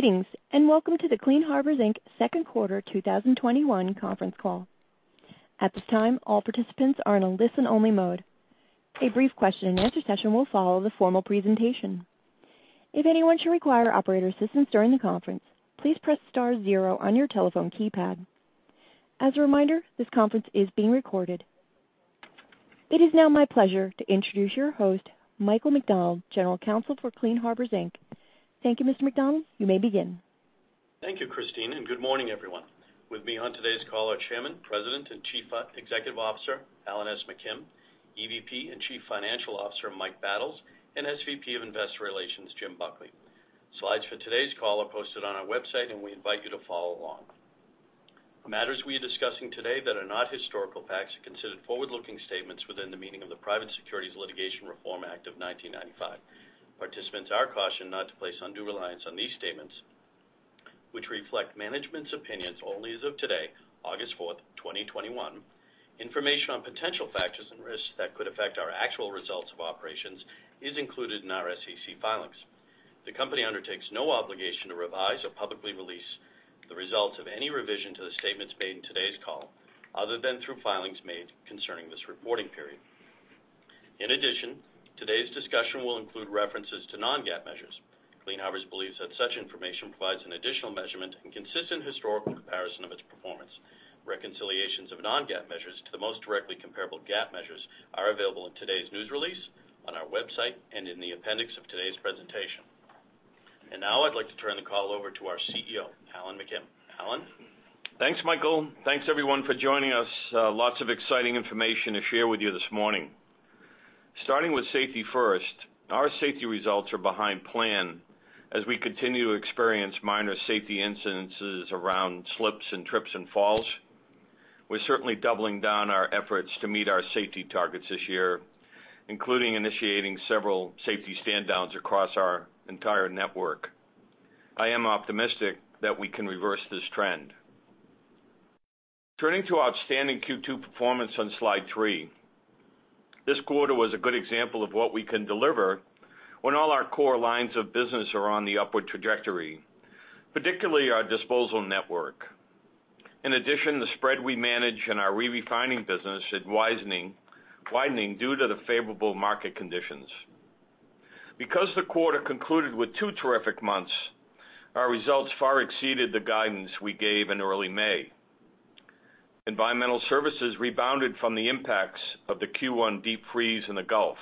Greetings and welcome to the Clean Harbors Inc. Second Quarter 2021 conference call. At this time, all participants are in a listen-only mode. A brief question-and-answer session will follow the formal presentation. If anyone should require operator assistance during the conference, please press star zero on your telephone keypad. As a reminder, this conference is being recorded. It is now my pleasure to introduce your host, Michael McDonald, General Counsel for Clean Harbors Inc. Thank you, Mr. McDonald. You may begin. Thank you, Christine, and good morning, everyone. With me on today's call are Chairman, President, and Chief Executive Officer, Alan S. McKim, EVP and Chief Financial Officer, Mike Battles, and SVP of Investor Relations, Jim Buckley. Slides for today's call are posted on our website, and we invite you to follow along. The matters we are discussing today that are not historical facts are considered forward-looking statements within the meaning of the Private Securities Litigation Reform Act of 1995. Participants are cautioned not to place undue reliance on these statements, which reflect management's opinions only as of today, August 4th, 2021. Information on potential factors and risks that could affect our actual results of operations is included in our SEC filings. The company undertakes no obligation to revise or publicly release the results of any revision to the statements made in today's call other than through filings made concerning this reporting period. In addition, today's discussion will include references to non-GAAP measures. Clean Harbors believes that such information provides an additional measurement and consistent historical comparison of its performance. Reconciliations of non-GAAP measures to the most directly comparable GAAP measures are available in today's news release, on our website, and in the appendix of today's presentation. And now I'd like to turn the call over to our CEO, Alan McKim. Alan. Thanks, Michael. Thanks, everyone, for joining us. Lots of exciting information to share with you this morning. Starting with safety first, our safety results are behind plan as we continue to experience minor safety incidents around slips and trips and falls. We're certainly doubling down our efforts to meet our safety targets this year, including initiating several safety stand-downs across our entire network. I am optimistic that we can reverse this trend. Turning to outstanding Q2 performance on slide three, this quarter was a good example of what we can deliver when all our core lines of business are on the upward trajectory, particularly our disposal network. In addition, the spread we manage and our re-refining business are widening due to the favorable market conditions. Because the quarter concluded with two terrific months, our results far exceeded the guidance we gave in early May. Environmental Services rebounded from the impacts of the Q1 deep freeze in the Gulf,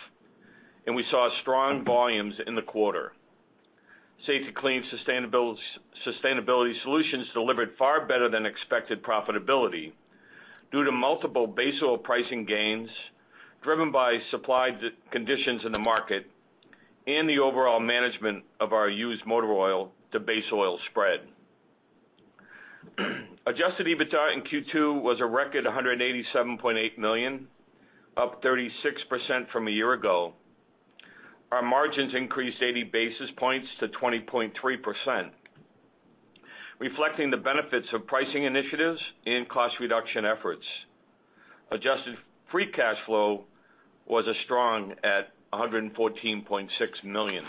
and we saw strong volumes in the quarter. Safety-Kleen Sustainability Solutions delivered far better than expected profitability due to multiple base oil pricing gains driven by supply conditions in the market and the overall management of our used motor oil to base oil spread. Adjusted EBITDA in Q2 was a record $187.8 million, up 36% from a year ago. Our margins increased 80 basis points to 20.3%, reflecting the benefits of pricing initiatives and cost reduction efforts. Adjusted Free Cash Flow was as strong as $114.6 million.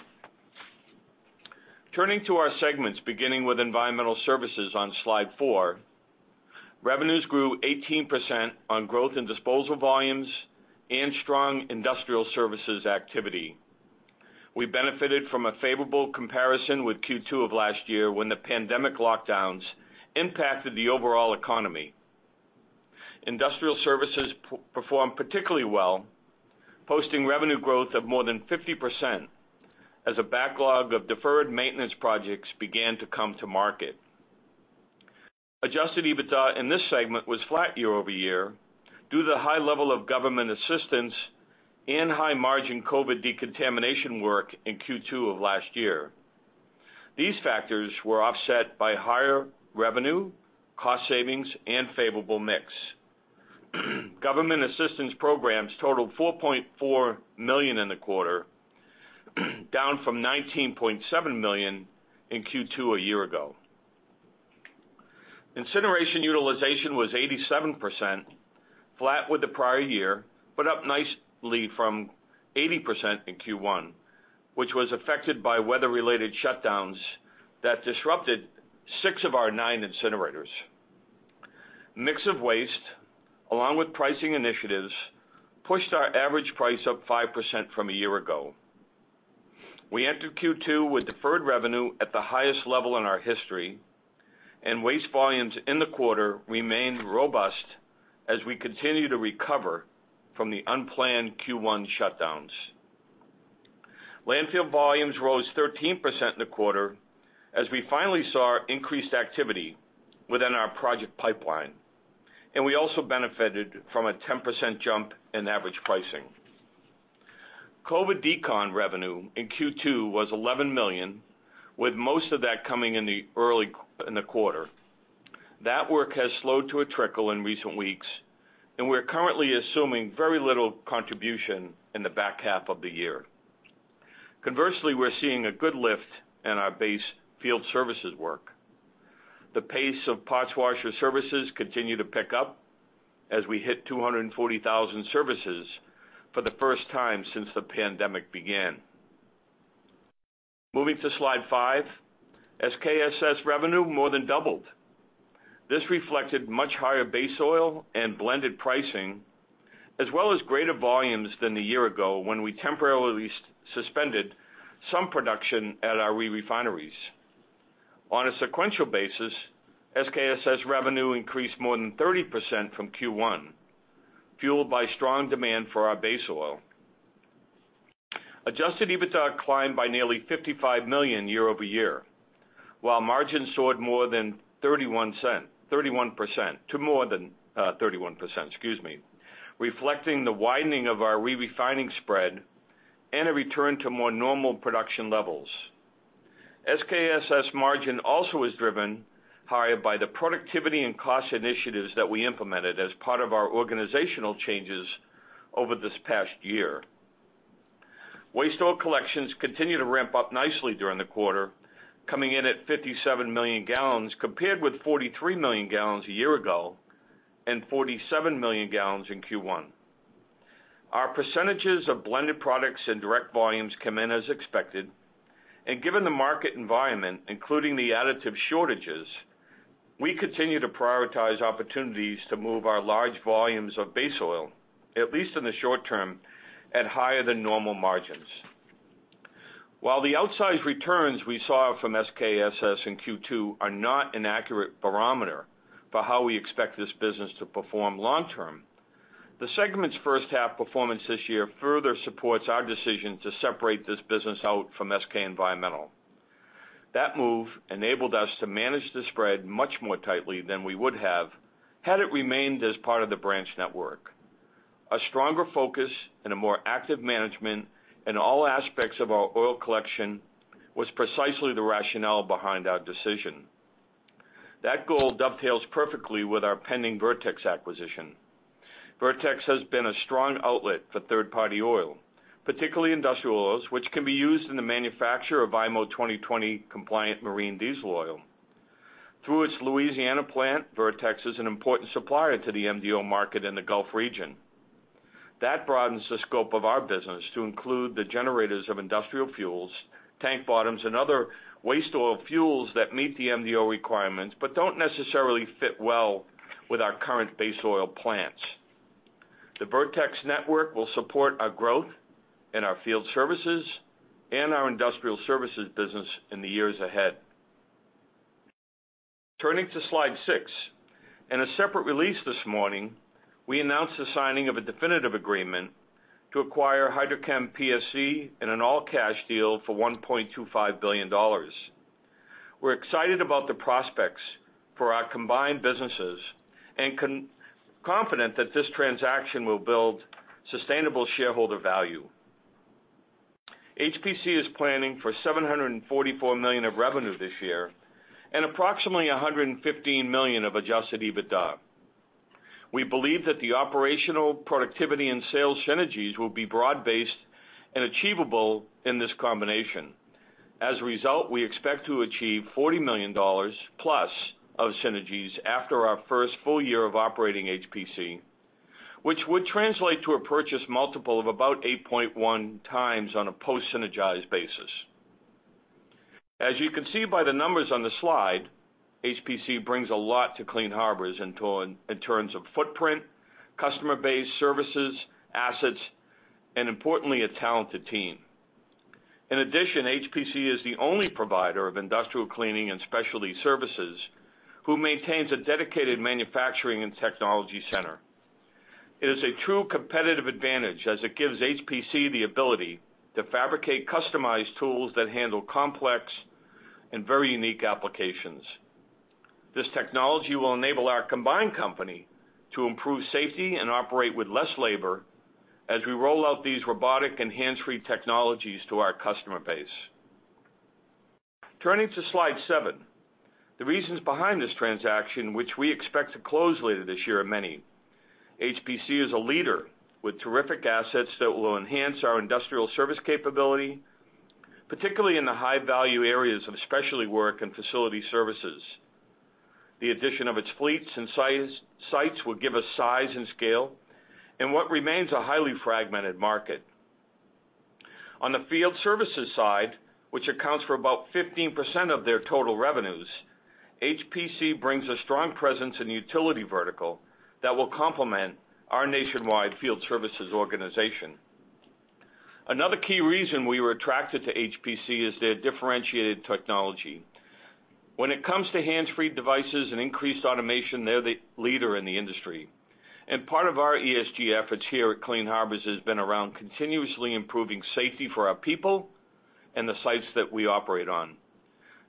Turning to our segments, beginning with Environmental Services on slide four, revenues grew 18% on growth in disposal volumes and strong industrial services activity. We benefited from a favorable comparison with Q2 of last year when the pandemic lockdowns impacted the overall economy. Industrial services performed particularly well, posting revenue growth of more than 50% as a backlog of deferred maintenance projects began to come to market. Adjusted EBITDA in this segment was flat year-over-year due to the high level of government assistance and high-margin COVID decontamination work in Q2 of last year. These factors were offset by higher revenue, cost savings, and favorable mix. Government assistance programs totaled $4.4 million in the quarter, down from $19.7 million in Q2 a year ago. Incineration utilization was 87%, flat with the prior year, but up nicely from 80% in Q1, which was affected by weather-related shutdowns that disrupted six of our nine incinerators. Mix of waste, along with pricing initiatives, pushed our average price up 5% from a year ago. We entered Q2 with deferred revenue at the highest level in our history, and waste volumes in the quarter remained robust as we continue to recover from the unplanned Q1 shutdowns. Landfill volumes rose 13% in the quarter as we finally saw increased activity within our project pipeline, and we also benefited from a 10% jump in average pricing. COVID decon revenue in Q2 was $11 million, with most of that coming in the quarter. That work has slowed to a trickle in recent weeks, and we're currently assuming very little contribution in the back half of the year. Conversely, we're seeing a good lift in our base field services work. The pace of parts washer services continued to pick up as we hit 240,000 services for the first time since the pandemic began. Moving to slide five, SKSS revenue more than doubled. This reflected much higher base oil and blended pricing, as well as greater volumes than the year ago when we temporarily suspended some production at our re-refineries. On a sequential basis, SKSS revenue increased more than 30% from Q1, fueled by strong demand for our base oil. Adjusted EBITDA climbed by nearly $55 million year-over-year, while margins soared more than 31% to more than 31%, reflecting the widening of our re-refining spread and a return to more normal production levels. SKSS margin also was driven higher by the productivity and cost initiatives that we implemented as part of our organizational changes over this past year. Waste oil collections continue to ramp up nicely during the quarter, coming in at 57 million gallons compared with 43 million gallons a year ago and 47 million gallons in Q1. Our percentages of blended products and direct volumes came in as expected, and given the market environment, including the additive shortages, we continue to prioritize opportunities to move our large volumes of base oil, at least in the short term, at higher than normal margins. While the outsized returns we saw from SKSS in Q2 are not an accurate barometer for how we expect this business to perform long-term, the segment's first half performance this year further supports our decision to separate this business out from SK Environmental. That move enabled us to manage the spread much more tightly than we would have had it remained as part of the branch network. A stronger focus and a more active management in all aspects of our oil collection was precisely the rationale behind our decision. That goal dovetails perfectly with our pending Vertex acquisition. Vertex has been a strong outlet for third-party oil, particularly industrial oils, which can be used in the manufacture of IMO 2020-compliant marine diesel oil. Through its Louisiana plant, Vertex is an important supplier to the MDO market in the Gulf region. That broadens the scope of our business to include the generators of industrial fuels, tank bottoms, and other waste oil fuels that meet the MDO requirements but don't necessarily fit well with our current base oil plants. The Vertex network will support our growth in our field services and our industrial services business in the years ahead. Turning to slide six, in a separate release this morning, we announced the signing of a definitive agreement to acquire HydroChemPSC in an all-cash deal for $1.25 billion. We're excited about the prospects for our combined businesses and confident that this transaction will build sustainable shareholder value. HPC is planning for $744 million of revenue this year and approximately $115 million of adjusted EBITDA. We believe that the operational productivity and sales synergies will be broad-based and achievable in this combination. As a result, we expect to achieve $40 million plus of synergies after our first full year of operating HPC, which would translate to a purchase multiple of about 8.1 times on a post-synergized basis. As you can see by the numbers on the slide, HPC brings a lot to Clean Harbors in terms of footprint, customer base, services, assets, and importantly, a talented team. In addition, HPC is the only provider of industrial cleaning and specialty services who maintains a dedicated manufacturing and technology center. It is a true competitive advantage as it gives HPC the ability to fabricate customized tools that handle complex and very unique applications. This technology will enable our combined company to improve safety and operate with less labor as we roll out these robotic and hands-free technologies to our customer base. Turning to slide seven, the reasons behind this transaction, which we expect to close later this year, are many. HPC is a leader with terrific assets that will enhance our industrial service capability, particularly in the high-value areas of specialty work and facility services. The addition of its fleets and sites will give us size and scale in what remains a highly fragmented market. On the field services side, which accounts for about 15% of their total revenues, HPC brings a strong presence in the utility vertical that will complement our nationwide field services organization. Another key reason we were attracted to HPC is their differentiated technology. When it comes to hands-free devices and increased automation, they're the leader in the industry. And part of our ESG efforts here at Clean Harbors has been around continuously improving safety for our people and the sites that we operate on.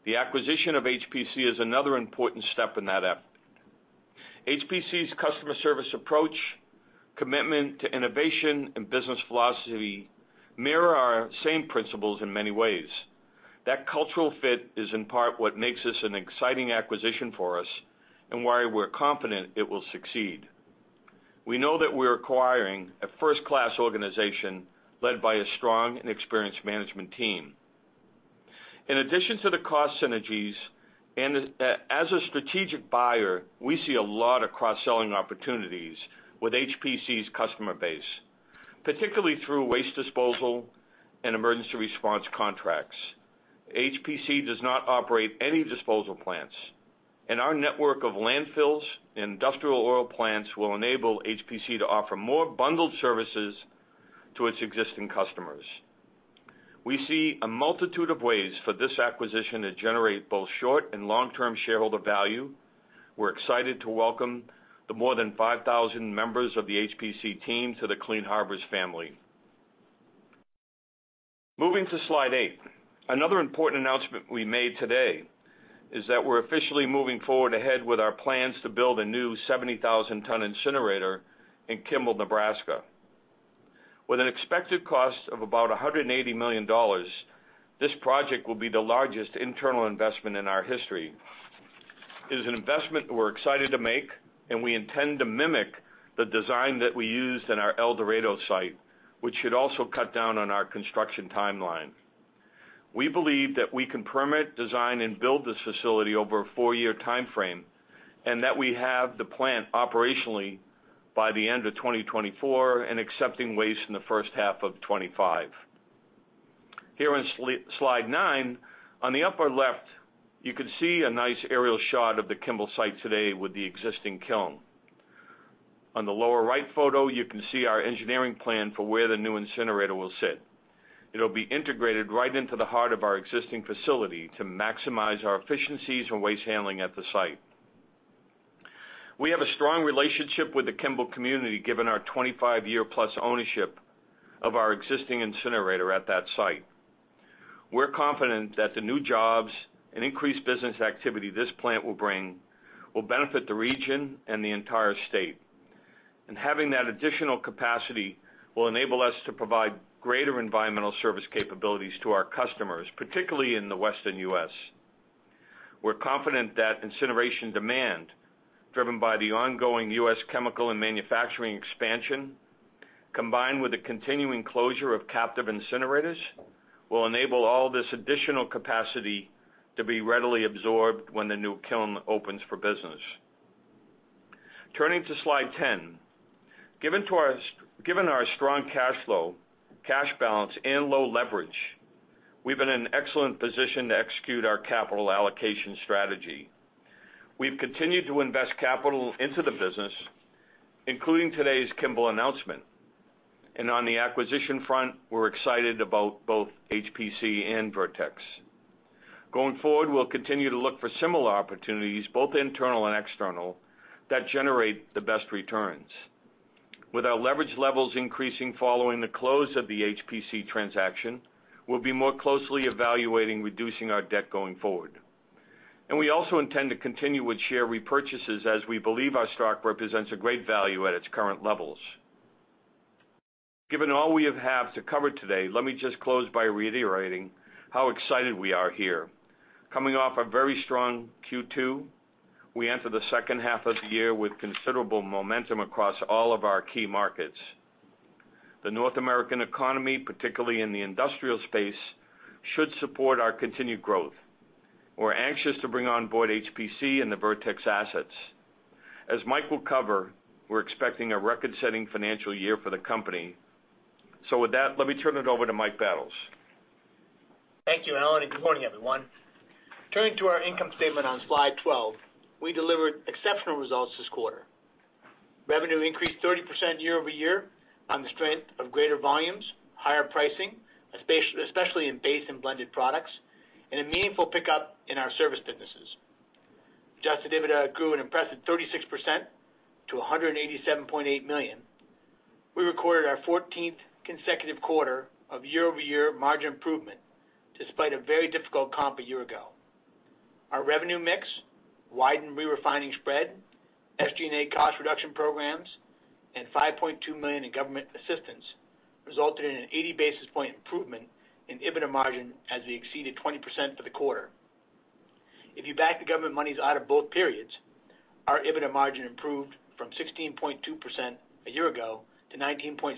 The acquisition of HPC is another important step in that effort. HPC's customer service approach, commitment to innovation, and business philosophy mirror our same principles in many ways. That cultural fit is in part what makes this an exciting acquisition for us and why we're confident it will succeed. We know that we're acquiring a first-class organization led by a strong and experienced management team. In addition to the cost synergies, as a strategic buyer, we see a lot of cross-selling opportunities with HPC's customer base, particularly through waste disposal and emergency response contracts. HPC does not operate any disposal plants, and our network of landfills and industrial oil plants will enable HPC to offer more bundled services to its existing customers. We see a multitude of ways for this acquisition to generate both short and long-term shareholder value. We're excited to welcome the more than 5,000 members of the HPC team to the Clean Harbors family. Moving to slide eight, another important announcement we made today is that we're officially moving forward ahead with our plans to build a new 70,000-ton incinerator in Kimball, Nebraska. With an expected cost of about $180 million, this project will be the largest internal investment in our history. It is an investment we're excited to make, and we intend to mimic the design that we used in our El Dorado site, which should also cut down on our construction timeline. We believe that we can permit, design, and build this facility over a four-year timeframe and that we have the plant operationally by the end of 2024 and accepting waste in the first half of 2025. Here on slide nine, on the upper left, you can see a nice aerial shot of the Kimball site today with the existing kiln. On the lower right photo, you can see our engineering plan for where the new incinerator will sit. It'll be integrated right into the heart of our existing facility to maximize our efficiencies and waste handling at the site. We have a strong relationship with the Kimball community given our 25-year-plus ownership of our existing incinerator at that site. We're confident that the new jobs and increased business activity this plant will bring will benefit the region and the entire state. And having that additional capacity will enable us to provide greater environmental service capabilities to our customers, particularly in the Western U.S. We're confident that incineration demand driven by the ongoing U.S. chemical and manufacturing expansion, combined with the continuing closure of captive incinerators, will enable all this additional capacity to be readily absorbed when the new kiln opens for business. Turning to slide 10, given our strong cash flow, cash balance, and low leverage, we've been in an excellent position to execute our capital allocation strategy. We've continued to invest capital into the business, including today's Kimball announcement. And on the acquisition front, we're excited about both HPC and Vertex. Going forward, we'll continue to look for similar opportunities, both internal and external, that generate the best returns. With our leverage levels increasing following the close of the HPC transaction, we'll be more closely evaluating reducing our debt going forward. And we also intend to continue with share repurchases as we believe our stock represents a great value at its current levels. Given all we have to cover today, let me just close by reiterating how excited we are here. Coming off a very strong Q2, we enter the second half of the year with considerable momentum across all of our key markets. The North American economy, particularly in the industrial space, should support our continued growth. We're anxious to bring on board HPC and the Vertex assets. As Mike will cover, we're expecting a record-setting financial year for the company. So with that, let me turn it over to Mike Battles. Thank you, Alan, and good morning, everyone. Turning to our income statement on slide 12, we delivered exceptional results this quarter. Revenue increased 30% year-over-year on the strength of greater volumes, higher pricing, especially in base and blended products, and a meaningful pickup in our service businesses. Adjusted EBITDA grew an impressive 36% to $187.8 million. We recorded our 14th consecutive quarter of year-over-year margin improvement despite a very difficult comp a year ago. Our revenue mix, widened re-refining spread, SG&A cost reduction programs, and $5.2 million in government assistance resulted in an 80 basis point improvement in EBITDA margin as we exceeded 20% for the quarter. If you back the government monies out of both periods, our EBITDA margin improved from 16.2% a year ago to 19.7%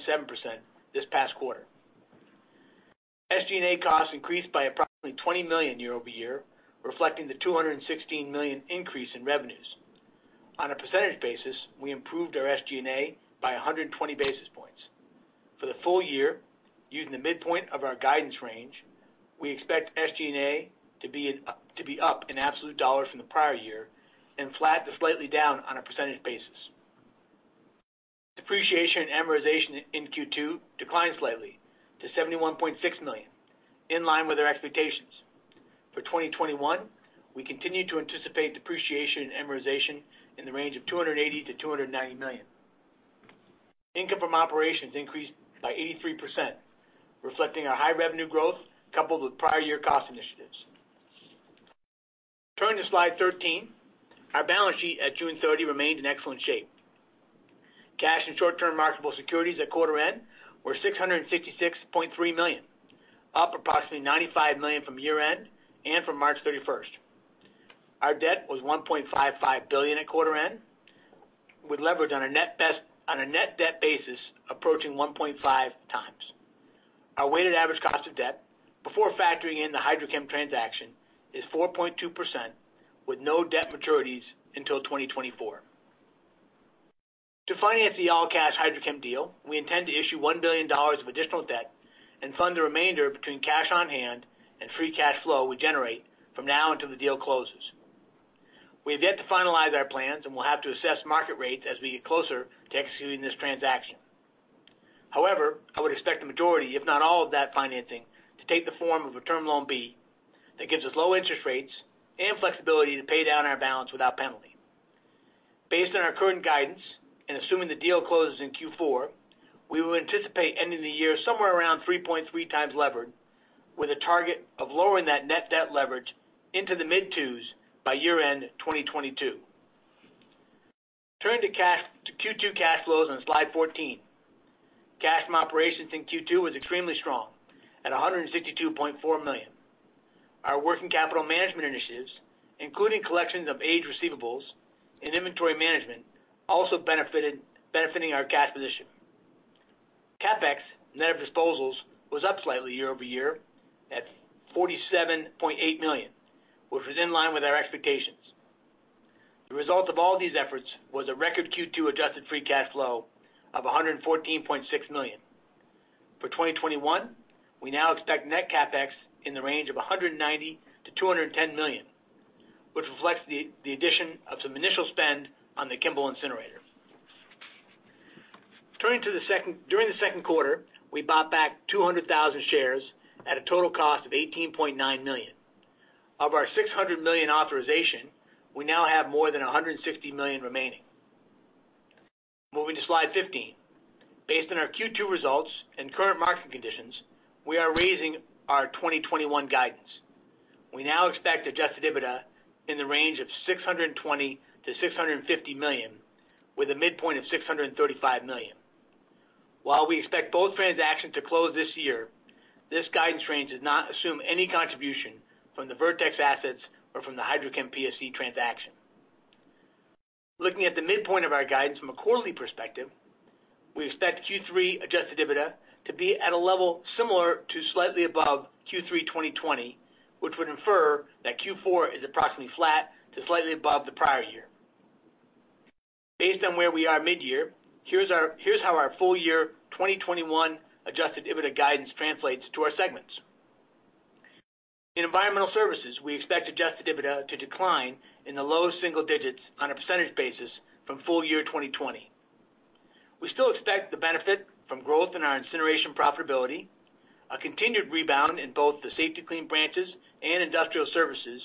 this past quarter. SG&A costs increased by approximately $20 million year-over-year, reflecting the $216 million increase in revenues. On a percentage basis, we improved our SG&A by 120 basis points. For the full year, using the midpoint of our guidance range, we expect SG&A to be up in absolute dollars from the prior year and flat to slightly down on a percentage basis. Depreciation and amortization in Q2 declined slightly to $71.6 million, in line with our expectations. For 2021, we continue to anticipate depreciation and amortization in the range of $280-$290 million. Income from operations increased by 83%, reflecting our high revenue growth coupled with prior year cost initiatives. Turning to slide 13, our balance sheet at June 30 remained in excellent shape. Cash and short-term marketable securities at quarter end were $666.3 million, up approximately $95 million from year-end and from March 31st. Our debt was $1.55 billion at quarter end, with leverage on a net debt basis approaching 1.5 times. Our weighted average cost of debt, before factoring in the HydroChem transaction, is 4.2% with no debt maturities until 2024. To finance the all-cash HydroChem deal, we intend to issue $1 billion of additional debt and fund the remainder between cash on hand and free cash flow we generate from now until the deal closes. We have yet to finalize our plans and will have to assess market rates as we get closer to executing this transaction. However, I would expect the majority, if not all of that financing, to take the form of a Term Loan B that gives us low interest rates and flexibility to pay down our balance without penalty. Based on our current guidance and assuming the deal closes in Q4, we will anticipate ending the year somewhere around 3.3 times levered, with a target of lowering that net debt leverage into the mid-2s by year-end 2022. Turning to Q2 cash flows on slide 14, cash from operations in Q2 was extremely strong at $162.4 million. Our working capital management initiatives, including collections of aged receivables and inventory management, also benefited our cash position. CapEx, net of disposals, was up slightly year-over-year at $47.8 million, which was in line with our expectations. The result of all these efforts was a record Q2 adjusted free cash flow of $114.6 million. For 2021, we now expect net CapEx in the range of $190 million-$210 million, which reflects the addition of some initial spend on the Kimball incinerator. During the second quarter, we bought back 200,000 shares at a total cost of $18.9 million. Of our 600 million authorization, we now have more than 160 million remaining. Moving to slide 15, based on our Q2 results and current market conditions, we are raising our 2021 guidance. We now expect Adjusted EBITDA in the range of $620-650 million, with a midpoint of $635 million. While we expect both transactions to close this year, this guidance range does not assume any contribution from the Vertex assets or from the HydroChemPSC transaction. Looking at the midpoint of our guidance from a quarterly perspective, we expect Q3 Adjusted EBITDA to be at a level similar to slightly above Q3 2020, which would infer that Q4 is approximately flat to slightly above the prior year. Based on where we are mid-year, here's how our full year 2021 Adjusted EBITDA guidance translates to our segments. In Environmental Services, we expect Adjusted EBITDA to decline in the low single digits on a percentage basis from full year 2020. We still expect the benefit from growth in our incineration profitability, a continued rebound in both the Safety-Kleen branches and industrial services,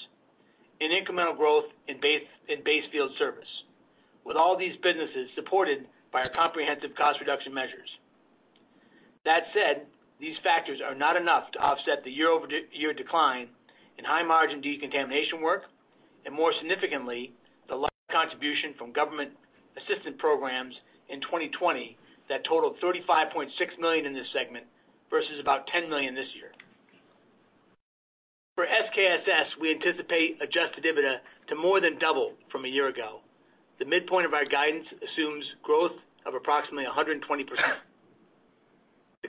and incremental growth in base field service, with all these businesses supported by our comprehensive cost reduction measures. That said, these factors are not enough to offset the year-over-year decline in high margin decontamination work, and more significantly, the large contribution from government assistance programs in 2020 that totaled $35.6 million in this segment versus about $10 million this year. For SKSS, we anticipate Adjusted EBITDA to more than double from a year ago. The midpoint of our guidance assumes growth of approximately 120%.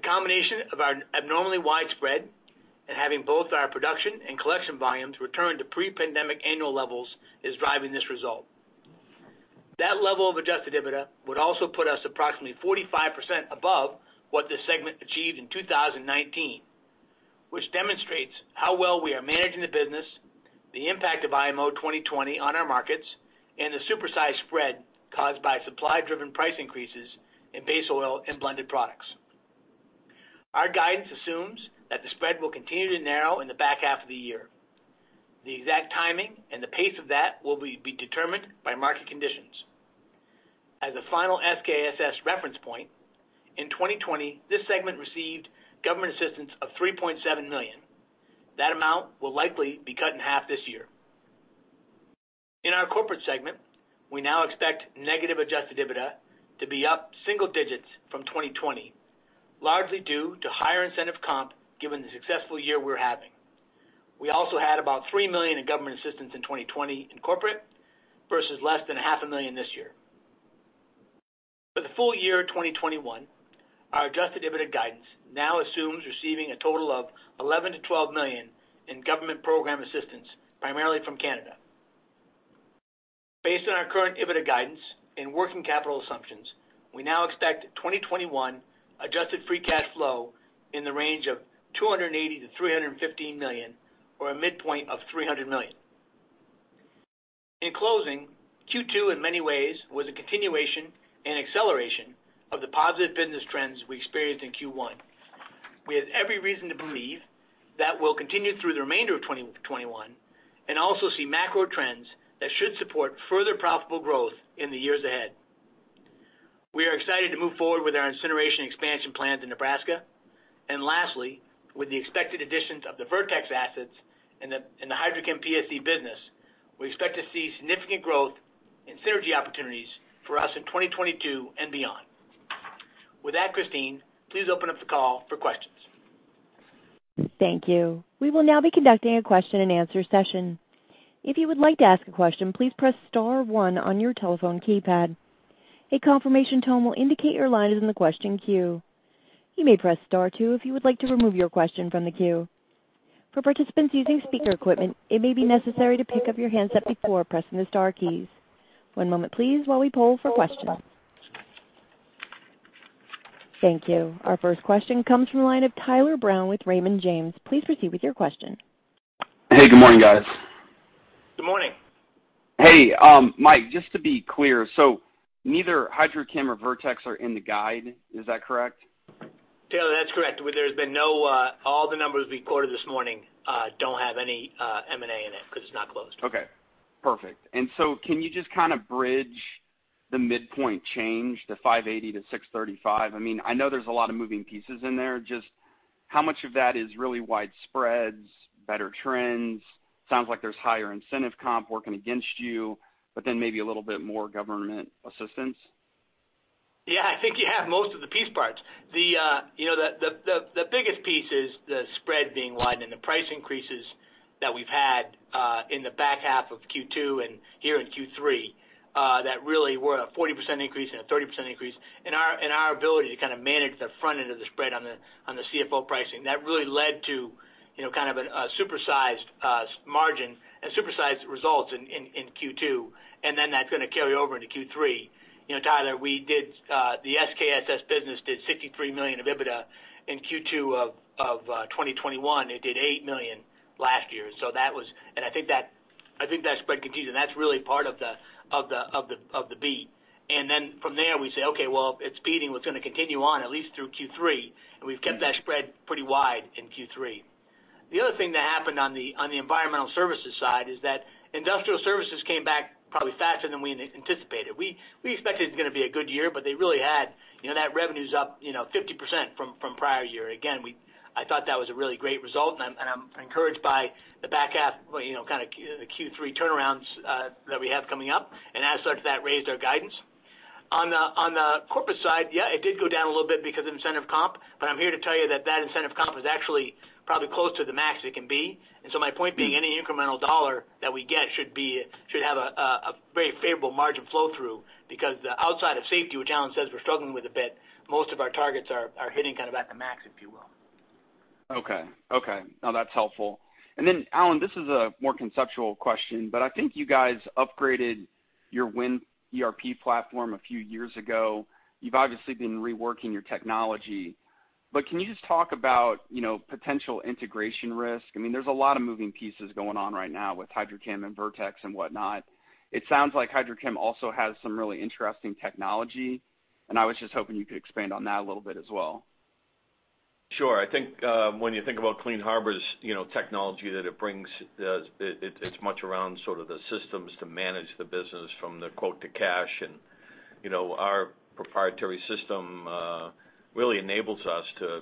The combination of our abnormally wide spread and having both our production and collection volumes return to pre-pandemic annual levels is driving this result. That level of Adjusted EBITDA would also put us approximately 45% above what this segment achieved in 2019, which demonstrates how well we are managing the business, the impact of IMO 2020 on our markets, and the supersized spread caused by supply-driven price increases in base oil and blended products. Our guidance assumes that the spread will continue to narrow in the back half of the year. The exact timing and the pace of that will be determined by market conditions. As a final SKSS reference point, in 2020, this segment received government assistance of $3.7 million. That amount will likely be cut in half this year. In our Corporate segment, we now expect negative Adjusted EBITDA to be up single digits from 2020, largely due to higher incentive comp given the successful year we're having. We also had about $3 million in government assistance in 2020 in Corporate versus less than $500,000 this year. For the full year 2021, our Adjusted EBITDA guidance now assumes receiving a total of $11 million-$12 million in government program assistance, primarily from Canada. Based on our current EBITDA guidance and working capital assumptions, we now expect 2021 Adjusted Free Cash Flow in the range of $280 million-$315 million or a midpoint of $300 million. In closing, Q2 in many ways was a continuation and acceleration of the positive business trends we experienced in Q1. We have every reason to believe that we'll continue through the remainder of 2021 and also see macro trends that should support further profitable growth in the years ahead. We are excited to move forward with our incineration expansion plan in Nebraska. And lastly, with the expected additions of the Vertex assets and the HydroChemPSC business, we expect to see significant growth in synergy opportunities for us in 2022 and beyond. With that, Christine, please open up the call for questions. Thank you. We will now be conducting a question and answer session. If you would like to ask a question, please press star one on your telephone keypad. A confirmation tone will indicate your line is in the question queue. You may press star two if you would like to remove your question from the queue. For participants using speaker equipment, it may be necessary to pick up your handset before pressing the star keys. One moment, please, while we poll for questions. Thank you. Our first question comes from the line of Tyler Brown with Raymond James. Please proceed with your question. Hey, good morning, guys. Good morning. Hey, Mike, just to be clear, so neither HydroChem or Vertex are in the guide? Is that correct? Tyler, that's correct. There's been no, all the numbers we quoted this morning don't have any M&A in it because it's not closed. Okay. Perfect, and so can you just kind of bridge the midpoint change, the $580-$635? I mean, I know there's a lot of moving parts in there. Just how much of that is really wide spreads, better trends? Sounds like there's higher incentive comp working against you, but then maybe a little bit more government assistance. Yeah, I think you have most of the piece parts. The biggest piece is the spread being widened and the price increases that we've had in the back half of Q2 and here in Q3 that really were a 40% increase and a 30% increase in our ability to kind of manage the front end of the spread on the CFO pricing. That really led to kind of a supersized margin and supersized results in Q2. And then that's going to carry over into Q3. Tyler, we did the SKSS business did 63 million of EBITDA in Q2 of 2021. It did 8 million last year. So that was and I think that spread continues. And that's really part of the beat. And then from there, we say, "Okay, well, it's beating. It's going to continue on at least through Q3." And we've kept that spread pretty wide in Q3. The other thing that happened on the Environmental Services side is that industrial services came back probably faster than we anticipated. We expected it's going to be a good year, but they really had that revenue's up 50% from prior year. Again, I thought that was a really great result, and I'm encouraged by the back half kind of Q3 turnarounds that we have coming up, and as such, that raised our guidance. On the corporate side, yeah, it did go down a little bit because of incentive comp, but I'm here to tell you that that incentive comp is actually probably close to the max it can be. And so, my point being, any incremental dollar that we get should have a very favorable margin flow through because, outside of safety, which Alan says we're struggling with a bit, most of our targets are hitting kind of at the max, if you will. Okay. Okay. No, that's helpful. And then, Alan, this is a more conceptual question, but I think you guys upgraded your new ERP platform a few years ago. You've obviously been reworking your technology. But can you just talk about potential integration risk? I mean, there's a lot of moving pieces going on right now with HydroChem and Vertex and whatnot. It sounds like HydroChem also has some really interesting technology. And I was just hoping you could expand on that a little bit as well. Sure. I think when you think about Clean Harbors technology that it brings, it's much around sort of the systems to manage the business from the quote to cash. And our proprietary system really enables us to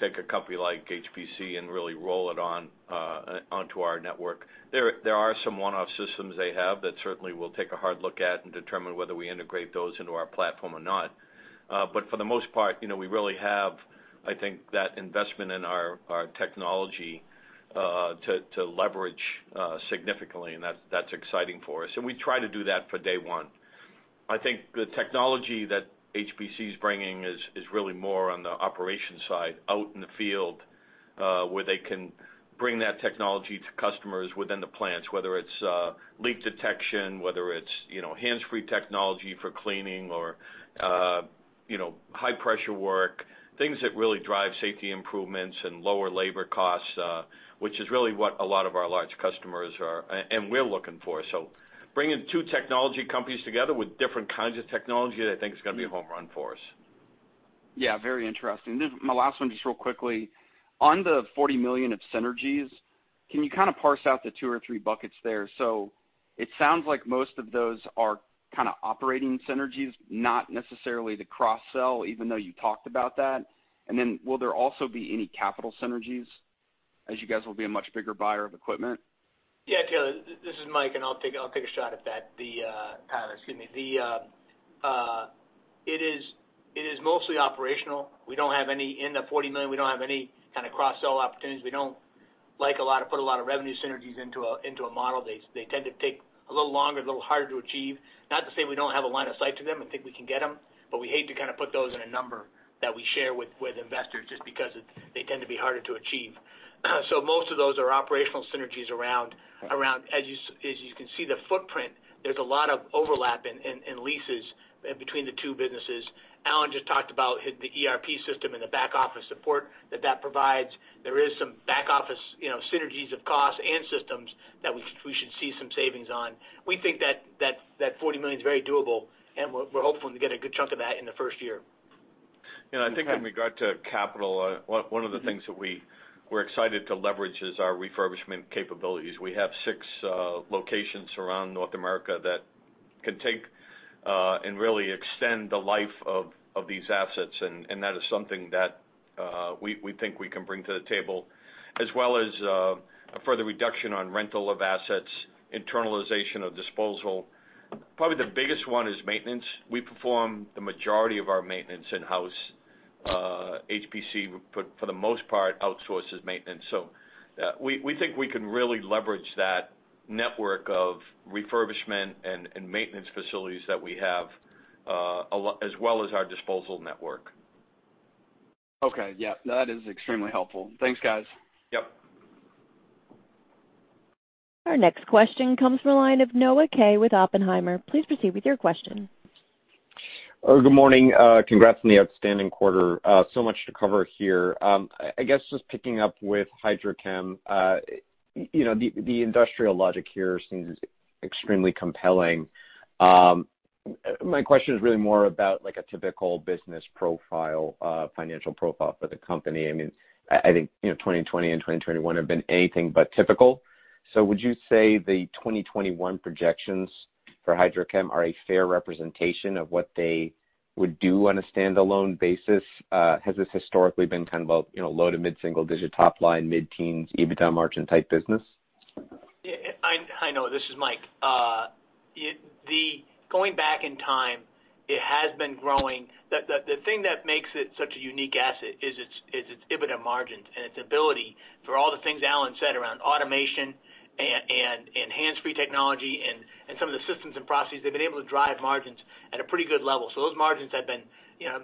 take a company like HPC and really roll it onto our network. There are some one-off systems they have that certainly we'll take a hard look at and determine whether we integrate those into our platform or not. But for the most part, we really have, I think, that investment in our technology to leverage significantly. And that's exciting for us. And we try to do that for day one. I think the technology that HPC is bringing is really more on the operation side out in the field where they can bring that technology to customers within the plants, whether it's leak detection, whether it's hands-free technology for cleaning or high-pressure work, things that really drive safety improvements and lower labor costs, which is really what a lot of our large customers are and we're looking for. So bringing two technology companies together with different kinds of technology, I think, is going to be a home run for us. Yeah, very interesting. My last one, just real quickly. On the $40 million of synergies, can you kind of parse out the two or three buckets there? So it sounds like most of those are kind of operating synergies, not necessarily the cross-sell, even though you talked about that. And then will there also be any capital synergies as you guys will be a much bigger buyer of equipment? Yeah, Tyler, this is Mike, and I'll take a shot at that. The, excuse me, it is mostly operational. We don't have any in the $40 million. We don't have any kind of cross-sell opportunities. We don't like to put a lot of revenue synergies into a model. They tend to take a little longer, a little harder to achieve. Not to say we don't have a line of sight to them and think we can get them, but we hate to kind of put those in a number that we share with investors just because they tend to be harder to achieve. So most of those are operational synergies around, as you can see, the footprint. There's a lot of overlap in leases between the two businesses. Alan just talked about the ERP system and the back office support that provides. There is some back office synergies of costs and systems that we should see some savings on. We think that $40 million is very doable, and we're hopeful to get a good chunk of that in the first year. Yeah, I think in regard to capital, one of the things that we're excited to leverage is our refurbishment capabilities. We have six locations around North America that can take and really extend the life of these assets, and that is something that we think we can bring to the table, as well as a further reduction on rental of assets, internalization of disposal. Probably the biggest one is maintenance. We perform the majority of our maintenance in-house. HPC, for the most part, outsources maintenance. So we think we can really leverage that network of refurbishment and maintenance facilities that we have, as well as our disposal network. Okay. Yeah. That is extremely helpful. Thanks, guys. Yep. Our next question comes from a line of Noah Kaye with Oppenheimer. Please proceed with your question. Good morning. Congrats on the outstanding quarter. So much to cover here. I guess just picking up with HydroChem, the industrial logic here seems extremely compelling. My question is really more about a typical business profile, financial profile for the company. I mean, I think 2020 and 2021 have been anything but typical. So would you say the 2021 projections for HydroChem are a fair representation of what they would do on a standalone basis? Has this historically been kind of a low to mid-single-digit top line, mid-teens, EBITDA margin type business? Hi, Noah. This is Mike. Going back in time, it has been growing. The thing that makes it such a unique asset is its EBITDA margins and its ability for all the things Alan said around automation and hands-free technology and some of the systems and processes. They've been able to drive margins at a pretty good level. So those margins have been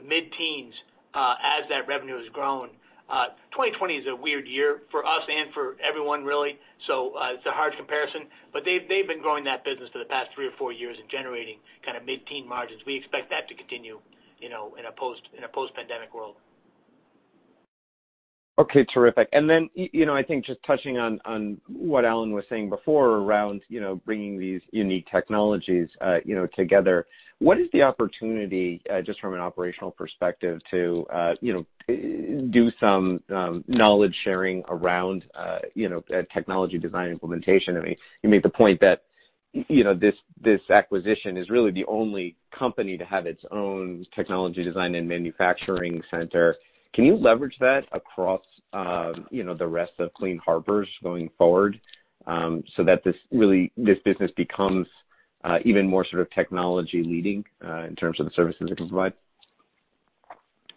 mid-teens as that revenue has grown. 2020 is a weird year for us and for everyone, really. So it's a hard comparison. But they've been growing that business for the past three or four years and generating kind of mid-teens margins. We expect that to continue in a post-pandemic world. Okay. Terrific. And then I think just touching on what Alan was saying before around bringing these unique technologies together, what is the opportunity just from an operational perspective to do some knowledge sharing around technology design implementation? I mean, you made the point that this acquisition is really the only company to have its own technology design and manufacturing center. Can you leverage that across the rest of Clean Harbors going forward so that this business becomes even more sort of technology leading in terms of the services it can provide?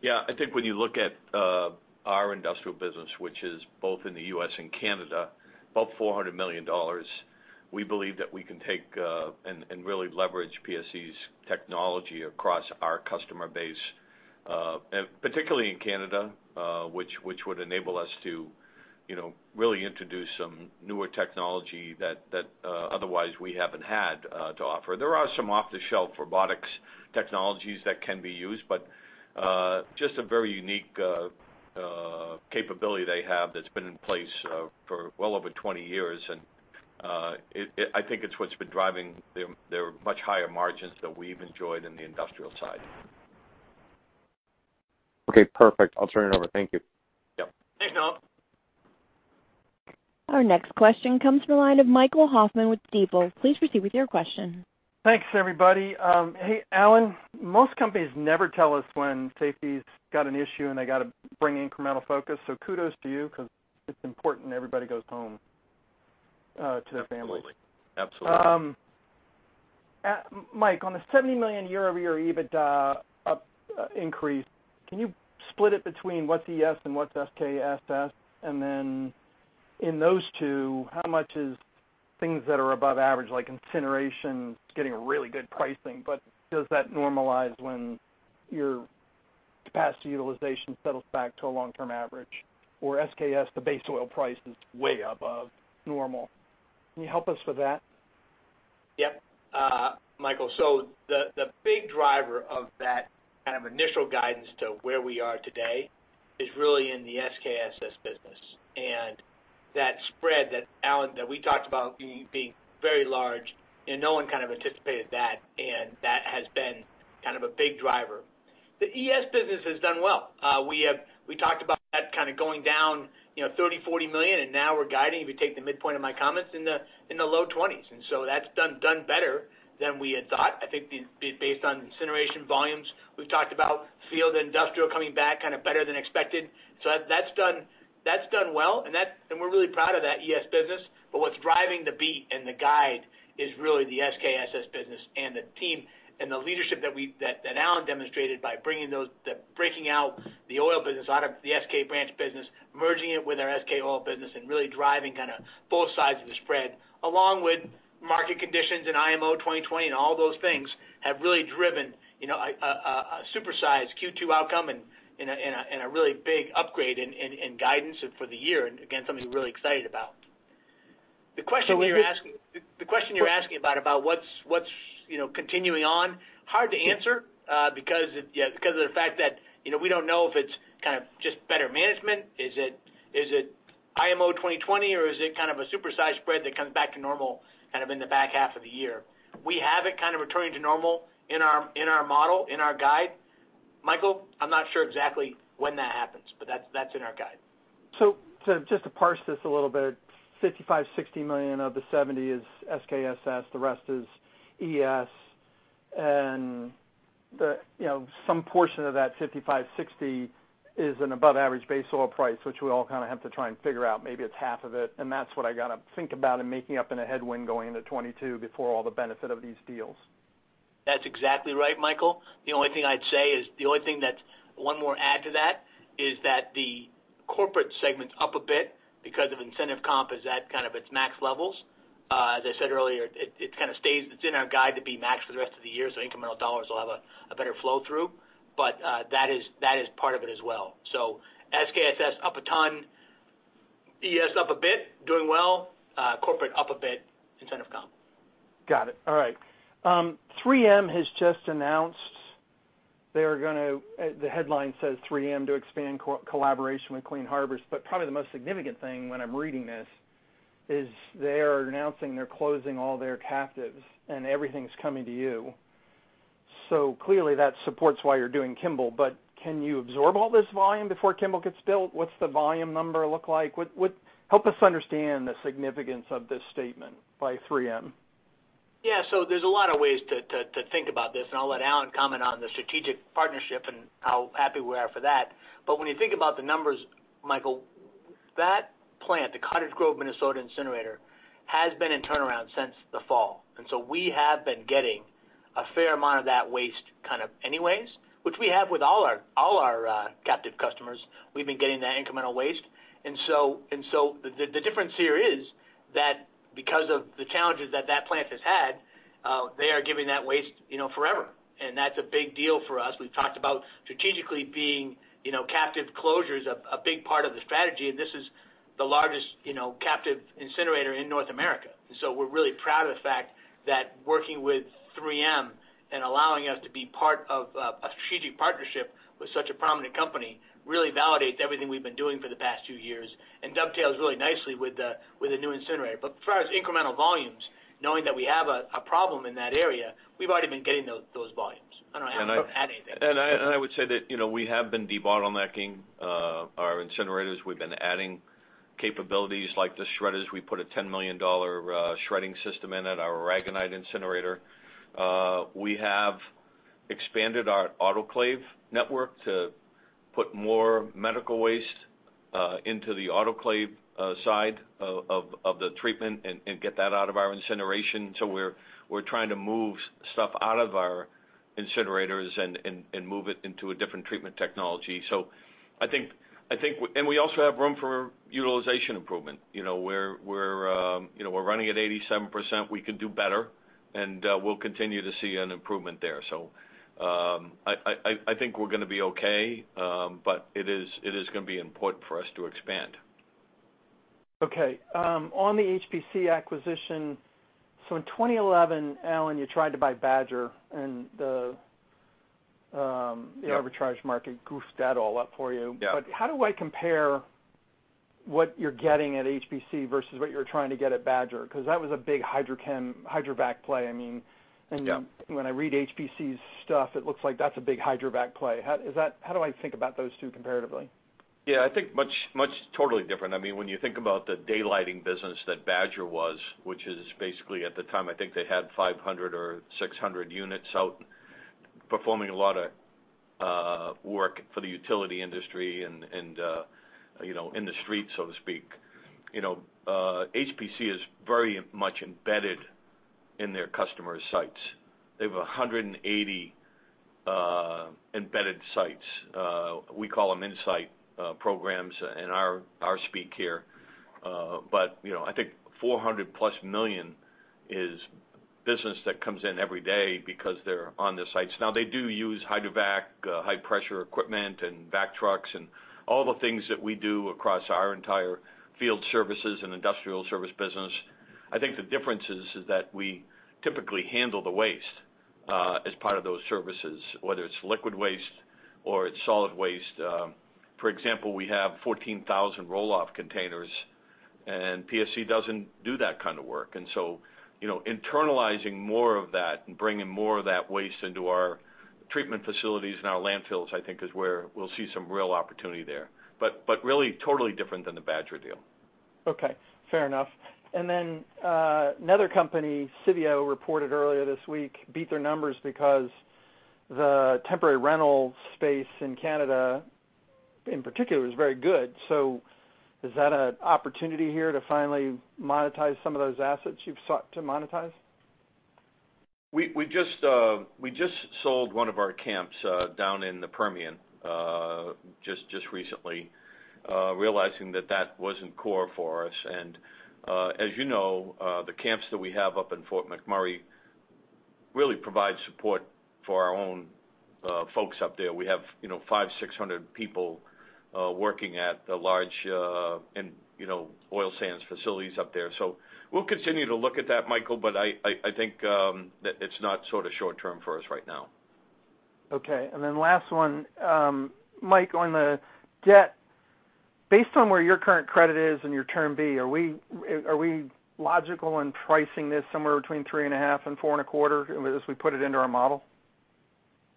Yeah. I think when you look at our industrial business, which is both in the U.S. and Canada, about $400 million, we believe that we can take and really leverage PSC's technology across our customer base, particularly in Canada, which would enable us to really introduce some newer technology that otherwise we haven't had to offer. There are some off-the-shelf robotics technologies that can be used, but just a very unique capability they have that's been in place for well over 20 years, and I think it's what's been driving their much higher margins that we've enjoyed in the industrial side. Okay. Perfect. I'll turn it over. Thank you. Yep. Hey, Noah. Our next question comes from a line of Michael Hoffman with Stifel. Please proceed with your question. Thanks, everybody. Hey, Alan, most companies never tell us when safety's got an issue and they got to bring incremental focus. So kudos to you because it's important and everybody goes home to their families. Absolutely. Absolutely. Mike, on the $70 million year-over-year EBITDA increase, can you split it between what's ES and what's SKSS? And then in those two, how much is things that are above average, like incineration, getting really good pricing? But does that normalize when your capacity utilization settles back to a long-term average? Or SKS, the base oil price is way above normal. Can you help us with that? Yep. Michael, so the big driver of that kind of initial guidance to where we are today is really in the SKSS business. And that spread that Alan that we talked about being very large, no one kind of anticipated that. And that has been kind of a big driver. The ES business has done well. We talked about that kind of going down $30 million-$40 million. And now we're guiding, if you take the midpoint of my comments, in the low 20s. And so that's done better than we had thought. I think based on incineration volumes, we've talked about field industrial coming back kind of better than expected. So that's done well. And we're really proud of that ES business. But what's driving the beat and the guide is really the SKSS business and the team and the leadership that Alan demonstrated by breaking out the oil business out of the SK parts business, merging it with our SK oil business, and really driving kind of both sides of the spread, along with market conditions and IMO 2020 and all those things have really driven a supersized Q2 outcome and a really big upgrade in guidance for the year, and again, something we're really excited about. The question you're asking about what's continuing on, hard to answer because of the fact that we don't know if it's kind of just better management. Is it IMO 2020, or is it kind of a supersized spread that comes back to normal kind of in the back half of the year? We have it kind of returning to normal in our model, in our guide. Michael, I'm not sure exactly when that happens, but that's in our guide. So just to parse this a little bit, $55-$60 million of the $70 million is SKSS. The rest is ES. And some portion of that $55-$60 million is an above-average base oil price, which we all kind of have to try and figure out. Maybe it's half of it. And that's what I got to think about in making up in a headwind going into 2022 before all the benefit of these deals. That's exactly right, Michael. The only thing I'd say is one more I'd add to that is that the corporate segment's up a bit because of incentive comp is at kind of its max levels. As I said earlier, it's kind of stays. It's in our guide to be maxed for the rest of the year. So incremental dollars will have a better flow through. But that is part of it as well. So SKSS up a ton, ES up a bit, doing well. Corporate up a bit, incentive comp. Got it. All right. 3M has just announced they are going to. The headline says 3M to expand collaboration with Clean Harbors. But probably the most significant thing when I'm reading this is they are announcing they're closing all their captives and everything's coming to you. So clearly that supports why you're doing Kimball. But can you absorb all this volume before Kimball gets built? What's the volume number look like? Help us understand the significance of this statement by 3M. Yeah. So there's a lot of ways to think about this. And I'll let Alan comment on the strategic partnership and how happy we are for that. But when you think about the numbers, Michael, that plant, the Cottage Grove, Minnesota incinerator, has been in turnaround since the fall. And so we have been getting a fair amount of that waste kind of anyways, which we have with all our captive customers. We've been getting that incremental waste. And so the difference here is that because of the challenges that that plant has had, they are giving that waste forever. And that's a big deal for us. We've talked about strategically being captive closures a big part of the strategy. And this is the largest captive incinerator in North America. And so we're really proud of the fact that working with 3M and allowing us to be part of a strategic partnership with such a prominent company really validates everything we've been doing for the past two years and dovetails really nicely with the new incinerator. But as far as incremental volumes, knowing that we have a problem in that area, we've already been getting those volumes. I don't know how to add anything. I would say that we have been de-bottlenecking our incinerators. We've been adding capabilities like the shredders. We put a $10 million shredding system in it, our Aragonite incinerator. We have expanded our autoclave network to put more medical waste into the autoclave side of the treatment and get that out of our incineration. So we're trying to move stuff out of our incinerators and move it into a different treatment technology. So I think, and we also have room for utilization improvement. We're running at 87%. We can do better. We'll continue to see an improvement there. So I think we're going to be okay. It is going to be important for us to expand. Okay. On the HPC acquisition, so in 2011, Alan, you tried to buy Badger, and the arbitrage market goofed that all up for you. But how do I compare what you're getting at HPC versus what you're trying to get at Badger? Because that was a big HydroChem hydrovac play. I mean, when I read HPC's stuff, it looks like that's a big hydrovac play. How do I think about those two comparatively? Yeah. I think much totally different. I mean, when you think about the daylighting business that Badger was, which is basically at the time, I think they had 500 or 600 units out performing a lot of work for the utility industry and in the street, so to speak. HPC is very much embedded in their customer sites. They have 180 embedded sites. We call them in-site programs in our speak here. But I think $400+ million is business that comes in every day because they're on their sites. Now, they do use hydrovac, high-pressure equipment, and vac trucks, and all the things that we do across our entire field services and industrial service business. I think the difference is that we typically handle the waste as part of those services, whether it's liquid waste or it's solid waste. For example, we have 14,000 roll-off containers. And PSC doesn't do that kind of work. And so internalizing more of that and bringing more of that waste into our treatment facilities and our landfills, I think, is where we'll see some real opportunity there. But really totally different than the Badger deal. Okay. Fair enough. And then another company, Civeo, reported earlier this week, beat their numbers because the temporary rental space in Canada in particular was very good. So is that an opportunity here to finally monetize some of those assets you've sought to monetize? We just sold one of our camps down in the Permian just recently, realizing that that wasn't core for us. And as you know, the camps that we have up in Fort McMurray really provide support for our own folks up there. We have 5,600 people working at the large oil sands facilities up there. So we'll continue to look at that, Michael. But I think that it's not sort of short-term for us right now. Okay, and then last one, Mike, on the debt, based on where your current credit is and your Term B, are we logical in pricing this somewhere between 3.5 and 4.25 as we put it into our model?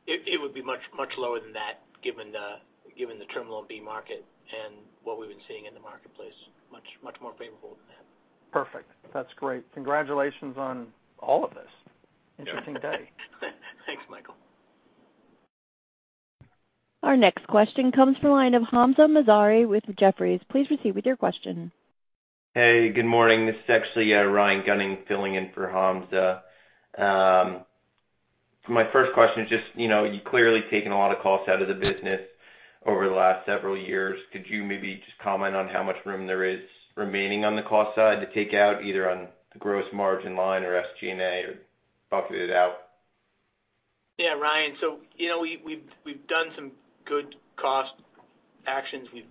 It would be much lower than that given the Term Loan B market and what we've been seeing in the marketplace. Much more favorable than that. Perfect. That's great. Congratulations on all of this. Interesting day. Thanks, Michael. Our next question comes from a line of Hamza Mazari with Jefferies. Please proceed with your question. Hey, good morning. This is actually Ryan Gunning filling in for Hamza. My first question is just you clearly taken a lot of costs out of the business over the last several years. Could you maybe just comment on how much room there is remaining on the cost side to take out either on the gross margin line or SG&A or bucket it out? Yeah, Ryan. So we've done some good cost actions. We've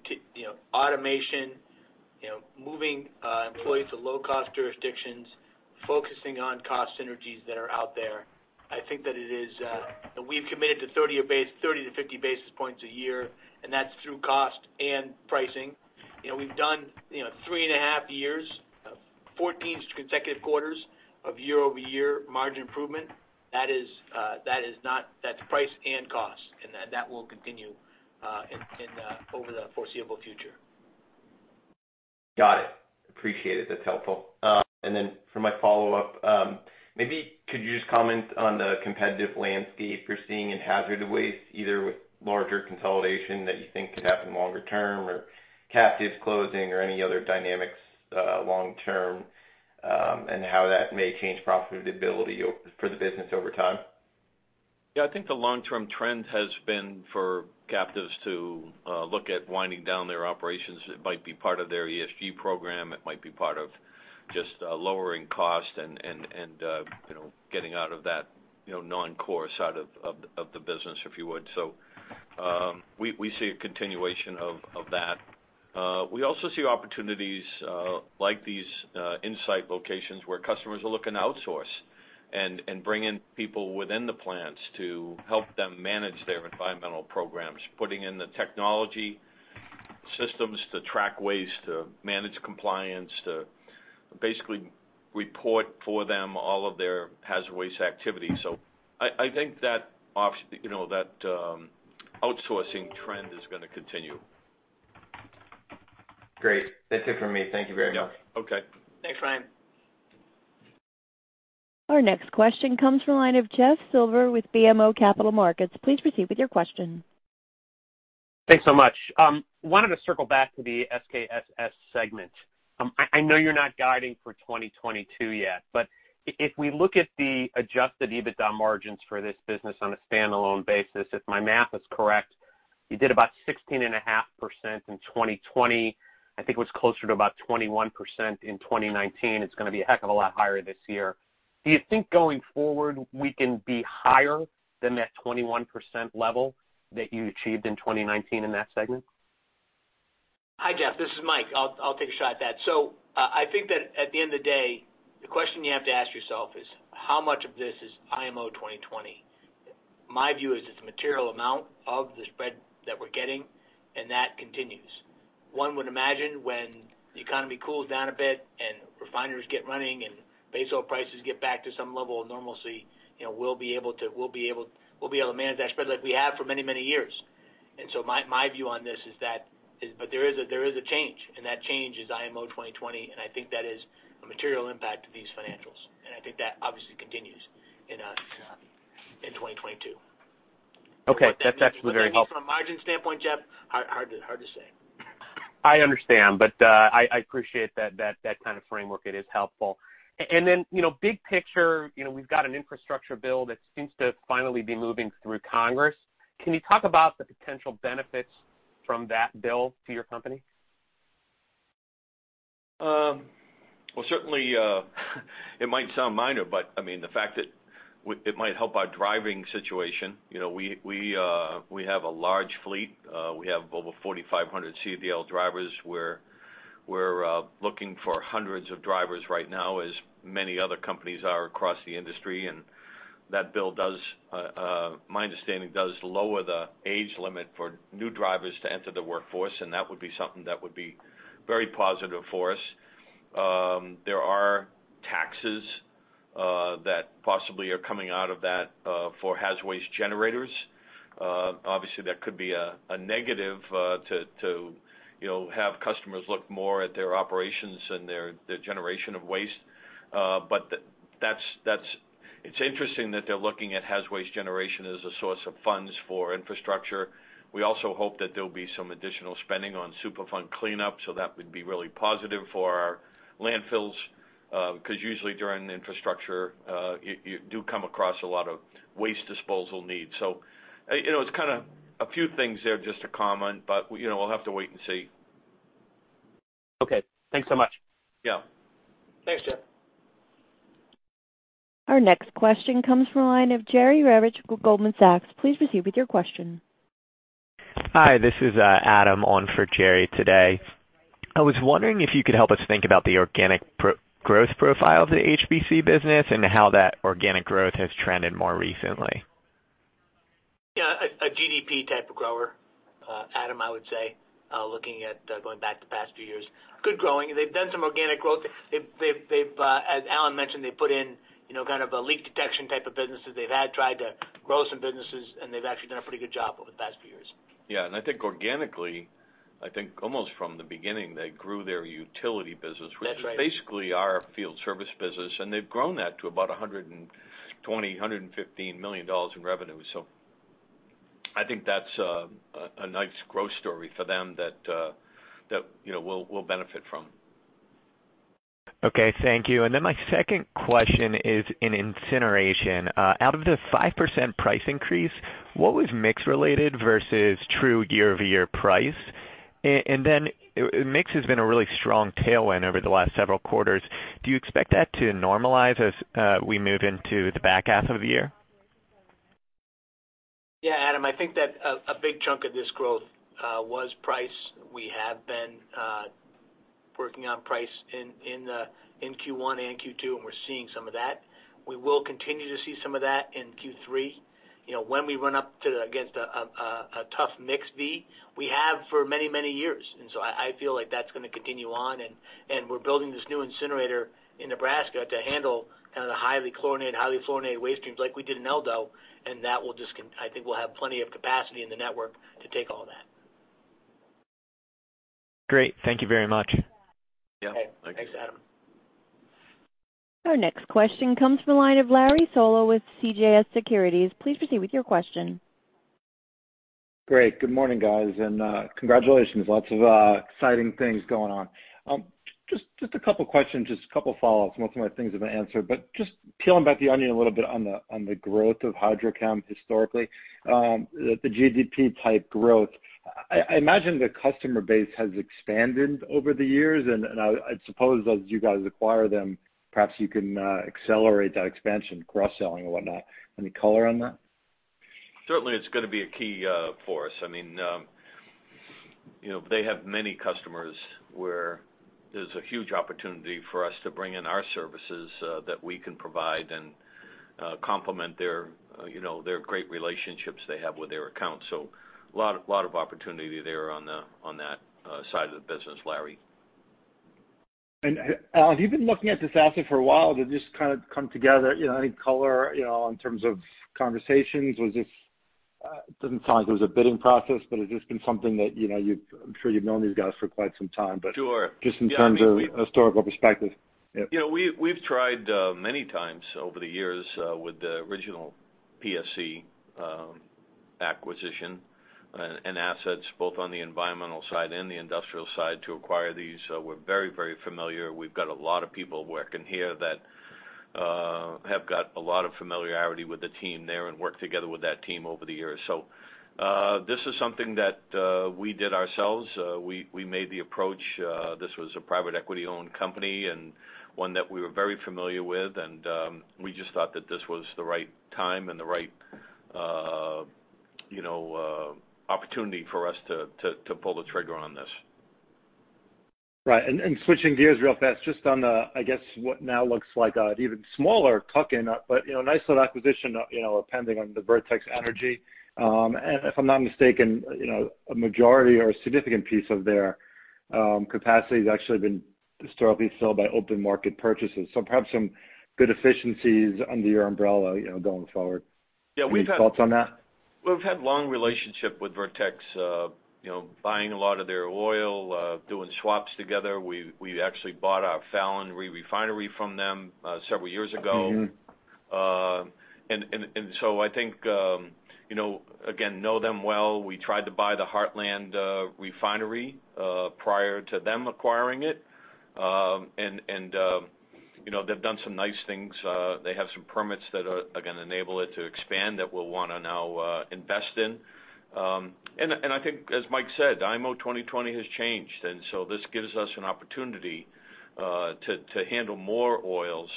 automated, moving employees to low-cost jurisdictions, focusing on cost synergies that are out there. I think that it is. We've committed to 30-50 basis points a year. And that's through cost and pricing. We've done 3.5 years, 14 consecutive quarters of year-over-year margin improvement. That is price and cost. And that will continue over the foreseeable future. Got it. Appreciate it. That's helpful. And then for my follow-up, maybe could you just comment on the competitive landscape you're seeing in hazardous waste, either with larger consolidation that you think could happen longer term or captive closing or any other dynamics long-term and how that may change profitability for the business over time? Yeah. I think the long-term trend has been for captives to look at winding down their operations. It might be part of their ESG program. It might be part of just lowering cost and getting out of that non-core side of the business, if you would. So we see a continuation of that. We also see opportunities like these onsite locations where customers are looking to outsource and bring in people within the plants to help them manage their environmental programs, putting in the technology systems to track waste, to manage compliance, to basically report for them all of their hazardous waste activity. So I think that outsourcing trend is going to continue. Great. That's it for me. Thank you very much. Yeah. Okay. Thanks, Ryan. Our next question comes from a line of Jeff Silber with BMO Capital Markets. Please proceed with your question. Thanks so much. Wanted to circle back to the SKSS segment. I know you're not guiding for 2022 yet. But if we look at the Adjusted EBITDA margins for this business on a standalone basis, if my math is correct, you did about 16.5% in 2020. I think it was closer to about 21% in 2019. It's going to be a heck of a lot higher this year. Do you think going forward we can be higher than that 21% level that you achieved in 2019 in that segment? Hi, Jeff. This is Mike. I'll take a shot at that. So I think that at the end of the day, the question you have to ask yourself is, how much of this is IMO 2020? My view is it's a material amount of the spread that we're getting, and that continues. One would imagine when the economy cools down a bit and refineries get running and baseline prices get back to some level of normalcy, we'll be able to manage that spread like we have for many, many years. And so my view on this is that. But there is a change. And that change is IMO 2020. And I think that is a material impact to these financials. And I think that obviously continues in 2022. Okay. That's actually very helpful. From a margin standpoint, Jeff, hard to say. I understand. But I appreciate that kind of framework. It is helpful. And then big picture, we've got an infrastructure bill that seems to finally be moving through Congress. Can you talk about the potential benefits from that bill to your company? Well, certainly, it might sound minor, but I mean, the fact that it might help our driving situation. We have a large fleet. We have over 4,500 CDL drivers. We're looking for hundreds of drivers right now, as many other companies are across the industry, and that bill, my understanding, does lower the age limit for new drivers to enter the workforce, and that would be something that would be very positive for us. There are taxes that possibly are coming out of that for hazardous waste generators. Obviously, that could be a negative to have customers look more at their operations and their generation of waste, but it's interesting that they're looking at hazardous waste generation as a source of funds for infrastructure. We also hope that there'll be some additional spending on Superfund cleanup. So that would be really positive for our landfills because usually during infrastructure, you do come across a lot of waste disposal needs. So it's kind of a few things there just to comment. But we'll have to wait and see. Okay. Thanks so much. Yeah. Thanks, Jeff. Our next question comes from a line of Jerry Revich with Goldman Sachs. Please proceed with your question. Hi. This is Adam on for Jerry today. I was wondering if you could help us think about the organic growth profile of the HPC business and how that organic growth has trended more recently. Yeah. A GDP type of grower, Adam, I would say, looking back at the past few years. Good growing. They've done some organic growth. As Alan mentioned, they put in kind of a leak detection type of businesses. They've tried to grow some businesses, and they've actually done a pretty good job over the past few years. Yeah. And I think organically, I think almost from the beginning, they grew their utility business, which is basically our field service business. And they've grown that to about $115 million-$120 million in revenue. So I think that's a nice growth story for them that we'll benefit from. Okay. Thank you. And then my second question is in incineration. Out of the 5% price increase, what was mix-related versus true year-over-year price? And then mix has been a really strong tailwind over the last several quarters. Do you expect that to normalize as we move into the back half of the year? Yeah, Adam. I think that a big chunk of this growth was price. We have been working on price in Q1 and Q2. And we're seeing some of that. We will continue to see some of that in Q3 when we run up against a tough mix we've had for many, many years. And so I feel like that's going to continue on. And we're building this new incinerator in Nebraska to handle kind of the highly chlorinated, highly fluorinated waste streams like we did in El Dorado. And that will just, I think, we'll have plenty of capacity in the network to take all that. Great. Thank you very much. Yeah. Thanks, Adam. Our next question comes from a line of Larry Solow with CJS Securities. Please proceed with your question. Great. Good morning, guys, and congratulations. Lots of exciting things going on. Just a couple of questions, just a couple of follow-ups. Most of my things have been answered, but just peeling back the onion a little bit on the growth of HydroChem historically, the GDP type growth. I imagine the customer base has expanded over the years. And I suppose as you guys acquire them, perhaps you can accelerate that expansion, cross-selling and whatnot. Any color on that? Certainly, it's going to be a key for us. I mean, they have many customers where there's a huge opportunity for us to bring in our services that we can provide and complement their great relationships they have with their accounts. So a lot of opportunity there on that side of the business, Larry. And Alan, have you been looking at this asset for a while? Did this kind of come together? Any color in terms of conversations? It doesn't sound like it was a bidding process. But has this been something I'm sure you've known these guys for quite some time. Sure. Yeah. But just in terms of historical perspective. We've tried many times over the years with the original PSC acquisition and assets both on the environmental side and the industrial side to acquire these. We're very, very familiar. We've got a lot of people working here that have got a lot of familiarity with the team there and worked together with that team over the years. So this is something that we did ourselves. We made the approach. This was a private equity-owned company and one that we were very familiar with. And we just thought that this was the right time and the right opportunity for us to pull the trigger on this. Right. And switching gears real fast, just on the, I guess, what now looks like an even smaller tuck-in but a nice little acquisition, pending on the Vertex Energy. And if I'm not mistaken, a majority or a significant piece of their capacity has actually been historically filled by open market purchases. So perhaps some good efficiencies under your umbrella going forward. Any thoughts on that? We've had a long relationship with Vertex, buying a lot of their oil, doing swaps together. We actually bought our Fallon refinery from them several years ago. So I think, again, we know them well. We tried to buy the Heartland refinery prior to them acquiring it. They've done some nice things. They have some permits that are going to enable it to expand that we'll want to now invest in. I think, as Mike said, IMO 2020 has changed. So this gives us an opportunity to handle more oils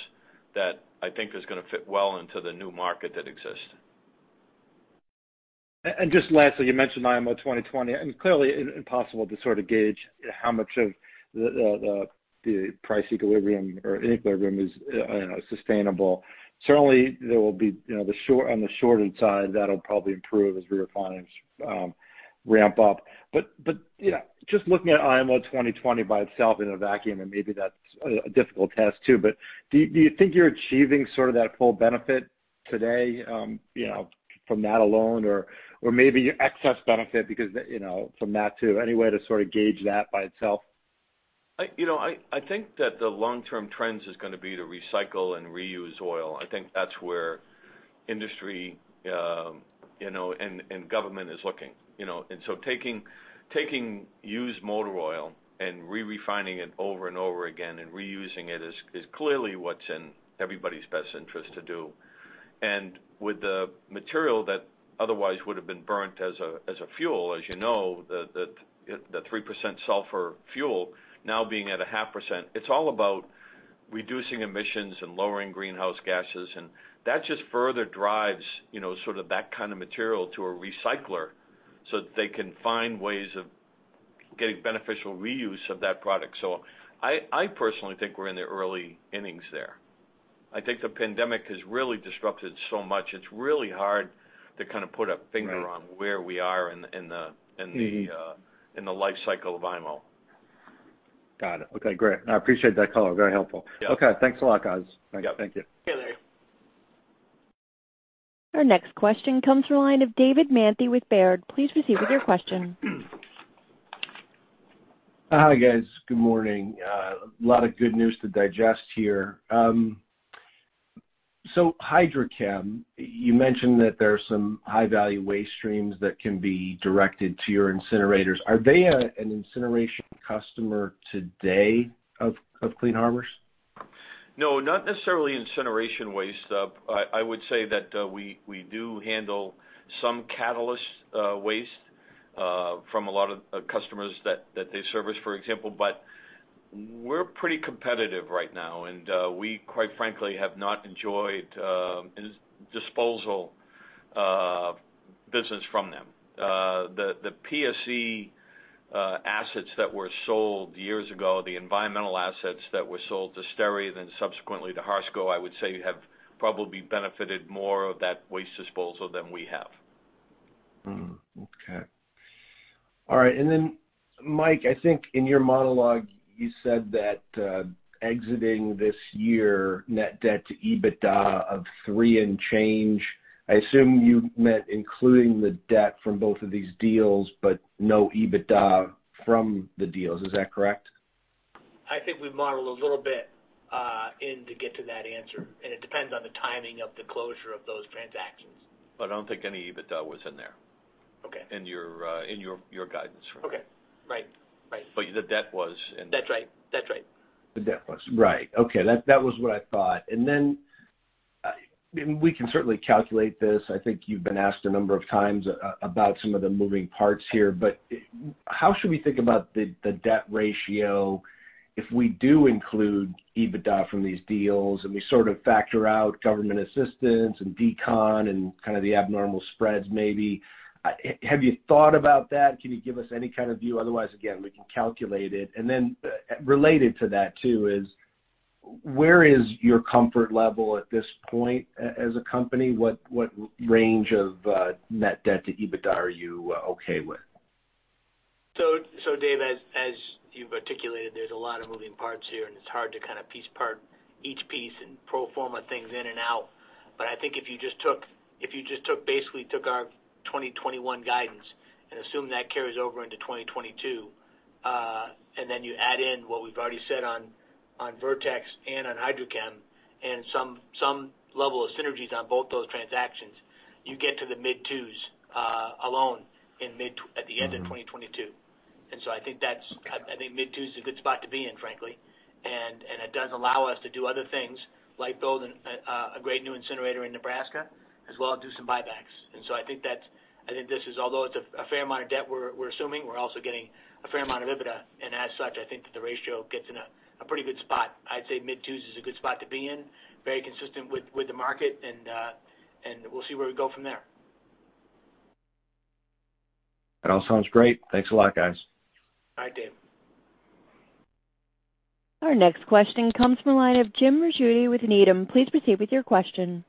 that I think is going to fit well into the new market that exists. And just lastly, you mentioned IMO 2020. And clearly, impossible to sort of gauge how much of the price equilibrium or inequilibrium is sustainable. Certainly, there will be on the short side, that'll probably improve as refineries ramp up. But just looking at IMO 2020 by itself in a vacuum, and maybe that's a difficult test too. But do you think you're achieving sort of that full benefit today from that alone? Or maybe excess benefit from that too? Any way to sort of gauge that by itself? I think that the long-term trend is going to be to recycle and reuse oil. I think that's where industry and government is looking, and so taking used motor oil and re-refining it over and over again and reusing it is clearly what's in everybody's best interest to do, and with the material that otherwise would have been burnt as a fuel, as you know, the 3% sulfur fuel now being at 0.5%, it's all about reducing emissions and lowering greenhouse gases, and that just further drives sort of that kind of material to a recycler so that they can find ways of getting beneficial reuse of that product, so I personally think we're in the early innings there. I think the pandemic has really disrupted so much. It's really hard to kind of put a finger on where we are in the life cycle of IMO. Got it. Okay. Great. I appreciate that color. Very helpful. Okay. Thanks a lot, guys. Thank you. Yeah. Thank you. Our next question comes from a line of David Manthey with Baird. Please proceed with your question. Hi, guys. Good morning. A lot of good news to digest here. So HydroChem, you mentioned that there are some high-value waste streams that can be directed to your incinerators. Are they an incineration customer today of Clean Harbors? No, not necessarily incineration waste. I would say that we do handle some catalyst waste from a lot of customers that they service, for example. But we're pretty competitive right now. And we, quite frankly, have not enjoyed disposal business from them. The PSC assets that were sold years ago, the environmental assets that were sold to Stericycle and then subsequently to Harsco, I would say have probably benefited more of that waste disposal than we have. Okay. All right. And then, Mike, I think in your monologue, you said that exiting this year, net debt to EBITDA of three and change. I assume you meant including the debt from both of these deals, but no EBITDA from the deals. Is that correct? I think we modeled a little bit in to get to that answer. And it depends on the timing of the closure of those transactions. I don't think any EBITDA was in there in your guidance. Okay. Right. Right. But the debt was in there. That's right. That's right. The debt was. Right. Okay. That was what I thought, and then we can certainly calculate this. I think you've been asked a number of times about some of the moving parts here. But how should we think about the debt ratio if we do include EBITDA from these deals and we sort of factor out government assistance and decon and kind of the abnormal spreads maybe? Have you thought about that? Can you give us any kind of view? Otherwise, again, we can calculate it, and then related to that too is where is your comfort level at this point as a company? What range of net debt to EBITDA are you okay with? So Dave, as you've articulated, there's a lot of moving parts here. And it's hard to kind of piece each piece and pro forma things in and out. But I think if you just basically took our 2021 guidance and assume that carries over into 2022, and then you add in what we've already said on Vertex and on HydroChem and some level of synergies on both those transactions, you get to the mid-2s alone at the end of 2022. And so I think mid-2 is a good spot to be in, frankly. And it does allow us to do other things like build a great new incinerator in Nebraska as well as do some buybacks. And so I think this is although it's a fair amount of debt we're assuming, we're also getting a fair amount of EBITDA. As such, I think that the ratio gets in a pretty good spot. I'd say mid-2s is a good spot to be in, very consistent with the market. We'll see where we go from there. That all sounds great. Thanks a lot, guys. All right, Dave. Our next question comes from a line of Jim Ricchiuti with Needham. Please proceed with your question.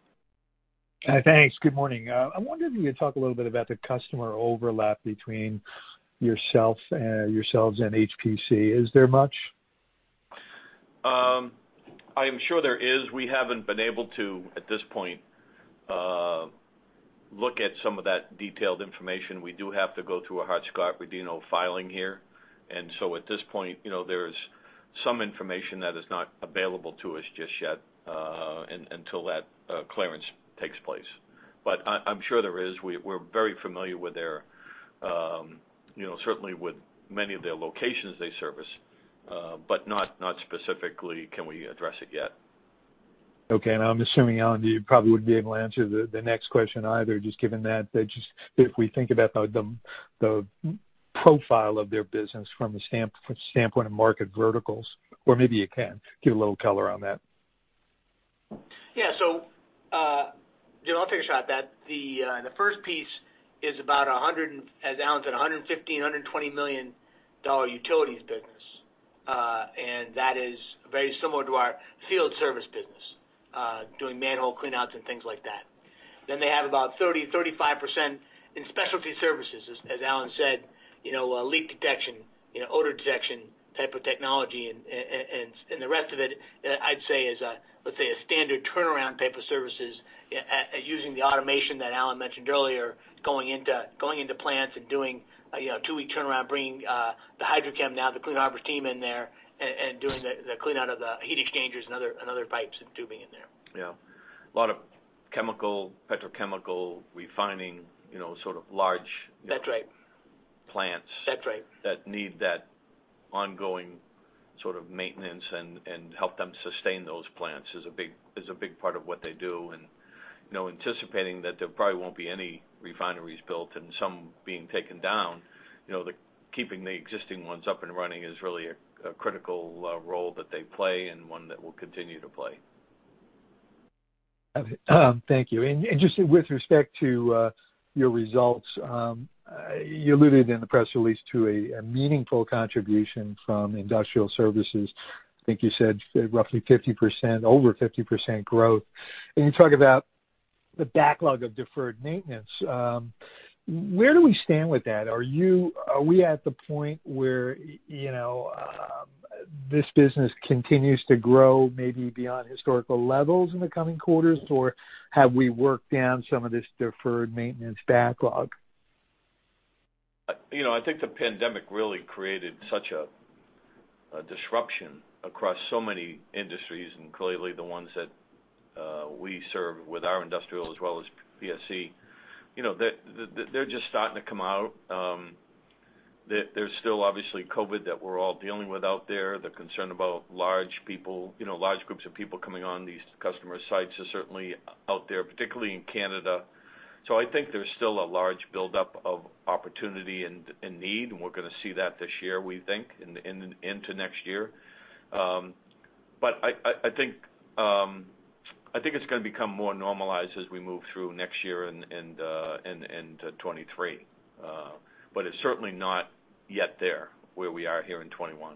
Hi, thanks. Good morning. I wonder if you could talk a little bit about the customer overlap between yourselves and HPC. Is there much? I am sure there is. We haven't been able to, at this point, look at some of that detailed information. We do have to go through a Hart-Scott-Rodino filing here, and so at this point, there's some information that is not available to us just yet until that clearance takes place, but I'm sure there is. We're very familiar with them, certainly with many of their locations they service, but not specifically. Can we address it yet? Okay. I'm assuming, Alan, you probably wouldn't be able to answer the next question either, just given that if we think about the profile of their business from the standpoint of market verticals. Or maybe you can give a little color on that? Yeah. So I'll take a shot at that. The first piece is about, as Alan said, $115-$120 million utilities business. And that is very similar to our field service business, doing manhole clean-outs and things like that. Then they have about 30%-35% in specialty services, as Alan said, leak detection, odor detection type of technology. And the rest of it, I'd say, is, let's say, a standard turnaround type of services using the automation that Alan mentioned earlier, going into plants and doing a two-week turnaround, bringing the HydroChem, now the Clean Harbors team in there, and doing the clean-out of the heat exchangers and other pipes and tubing in there. Yeah. A lot of chemical, petrochemical, refining, sort of large plants. That's right. That need that ongoing sort of maintenance and help them sustain those plants is a big part of what they do. And anticipating that there probably won't be any refineries built and some being taken down, keeping the existing ones up and running is really a critical role that they play and one that will continue to play. Thank you. And just with respect to your results, you alluded in the press release to a meaningful contribution from industrial services. I think you said roughly over 50% growth. And you talk about the backlog of deferred maintenance. Where do we stand with that? Are we at the point where this business continues to grow maybe beyond historical levels in the coming quarters, or have we worked down some of this deferred maintenance backlog? I think the pandemic really created such a disruption across so many industries, and clearly the ones that we serve with our industrial as well as PSC. They're just starting to come out. There's still, obviously, COVID that we're all dealing with out there. The concern about large people, large groups of people coming on these customer sites is certainly out there, particularly in Canada. I think there's still a large buildup of opportunity and need. We're going to see that this year, we think, into next year. I think it's going to become more normalized as we move through next year and 2023. It's certainly not yet there where we are here in 2021.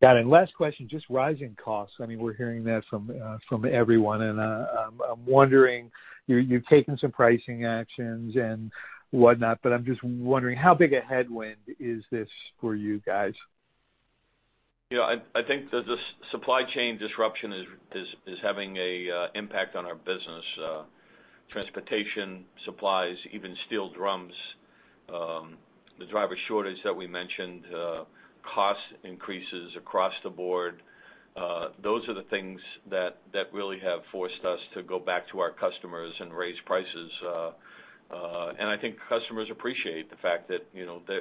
Got it. And last question, just rising costs. I mean, we're hearing that from everyone. And I'm wondering, you've taken some pricing actions and whatnot, but I'm just wondering, how big a headwind is this for you guys? I think the supply chain disruption is having an impact on our business: transportation, supplies, even steel drums, the driver shortage that we mentioned, cost increases across the board. Those are the things that really have forced us to go back to our customers and raise prices. And I think customers appreciate the fact that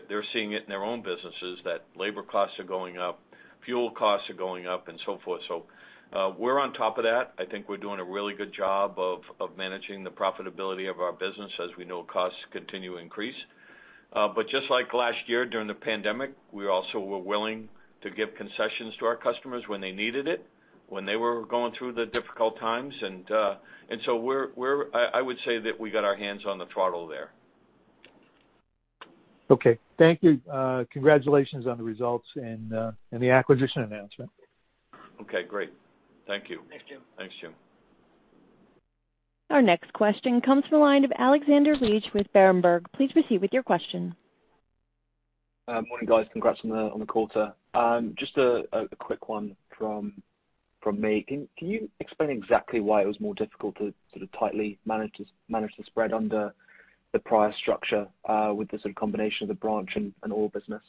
they're seeing it in their own businesses, that labor costs are going up, fuel costs are going up, and so forth. So we're on top of that. I think we're doing a really good job of managing the profitability of our business as we know costs continue to increase. But just like last year during the pandemic, we also were willing to give concessions to our customers when they needed it, when they were going through the difficult times. And so I would say that we got our hands on the throttle there. Okay. Thank you. Congratulations on the results and the acquisition announcement. Okay. Great. Thank you. Thanks, Jim. Thanks, Jim. Our next question comes from a line of Alexander Leach with Berenberg. Please proceed with your question. Morning, guys. Congrats on the call, sir. Just a quick one from me. Can you explain exactly why it was more difficult to sort of tightly manage the spread under the prior structure with the sort of combination of the branch and oil business?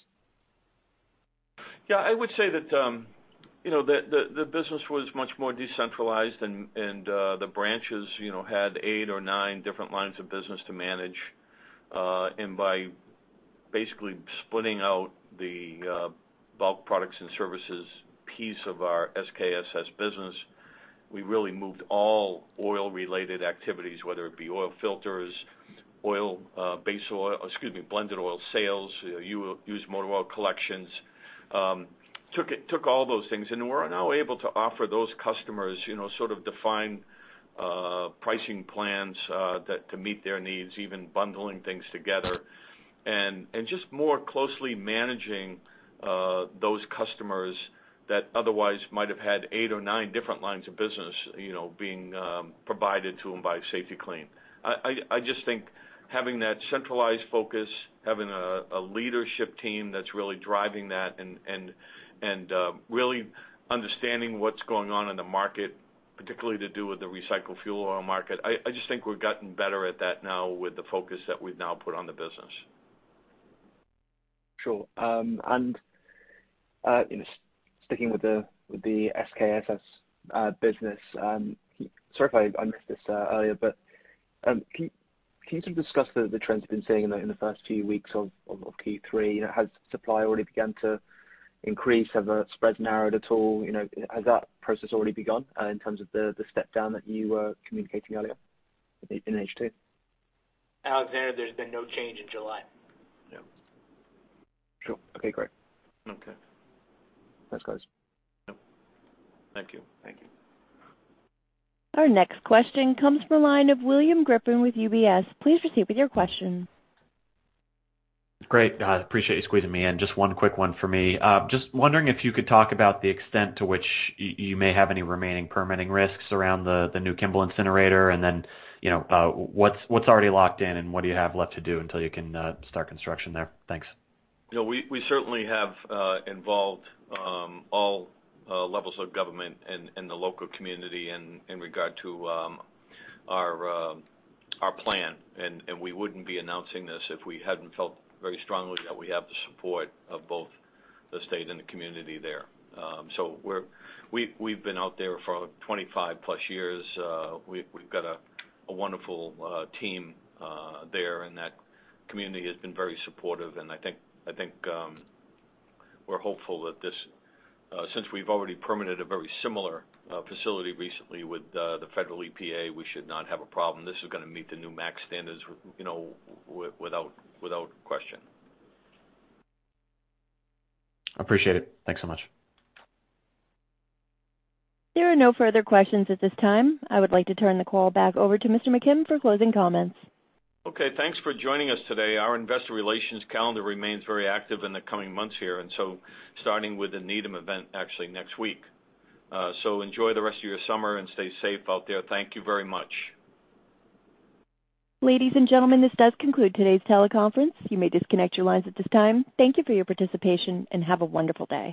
Yeah. I would say that the business was much more decentralized, and the branches had eight or nine different lines of business to manage. And by basically splitting out the bulk products and services piece of our SKSS business, we really moved all oil-related activities, whether it be oil filters, oil, base oil—excuse me, blended oil sales, used motor oil collections—took all those things. And we're now able to offer those customers sort of defined pricing plans to meet their needs, even bundling things together, and just more closely managing those customers that otherwise might have had eight or nine different lines of business being provided to them by Safety-Kleen. I just think having that centralized focus, having a leadership team that's really driving that, and really understanding what's going on in the market, particularly to do with the recycled fuel oil market. I just think we've gotten better at that now with the focus that we've now put on the business. Sure. And sticking with the SKSS business, sorry if I missed this earlier, but can you sort of discuss the trends you've been seeing in the first few weeks of Q3? Has supply already begun to increase? Have the spreads narrowed at all? Has that process already begun in terms of the step down that you were communicating earlier in H2? Alexander, there's been no change in July. No. Sure. Okay. Great. Okay. Thanks, guys. Yep. Thank you. Thank you. Our next question comes from a line of William Grippin with UBS. Please proceed with your question. Great. Appreciate you squeezing me in. Just one quick one for me. Just wondering if you could talk about the extent to which you may have any remaining permitting risks around the new Kimball incinerator, and then what's already locked in, and what do you have left to do until you can start construction there? Thanks. We certainly have involved all levels of government and the local community in regard to our plan. And we wouldn't be announcing this if we hadn't felt very strongly that we have the support of both the state and the community there. So we've been out there for 25-plus years. We've got a wonderful team there, and that community has been very supportive. And I think we're hopeful that since we've already permitted a very similar facility recently with the federal EPA, we should not have a problem. This is going to meet the new MACT standards without question. Appreciate it. Thanks so much. There are no further questions at this time. I would like to turn the call back over to Mr. McKim for closing comments. Okay. Thanks for joining us today. Our investor relations calendar remains very active in the coming months here, and so starting with the Needham event actually next week. So enjoy the rest of your summer and stay safe out there. Thank you very much. Ladies and gentlemen, this does conclude today's teleconference. You may disconnect your lines at this time. Thank you for your participation, and have a wonderful day.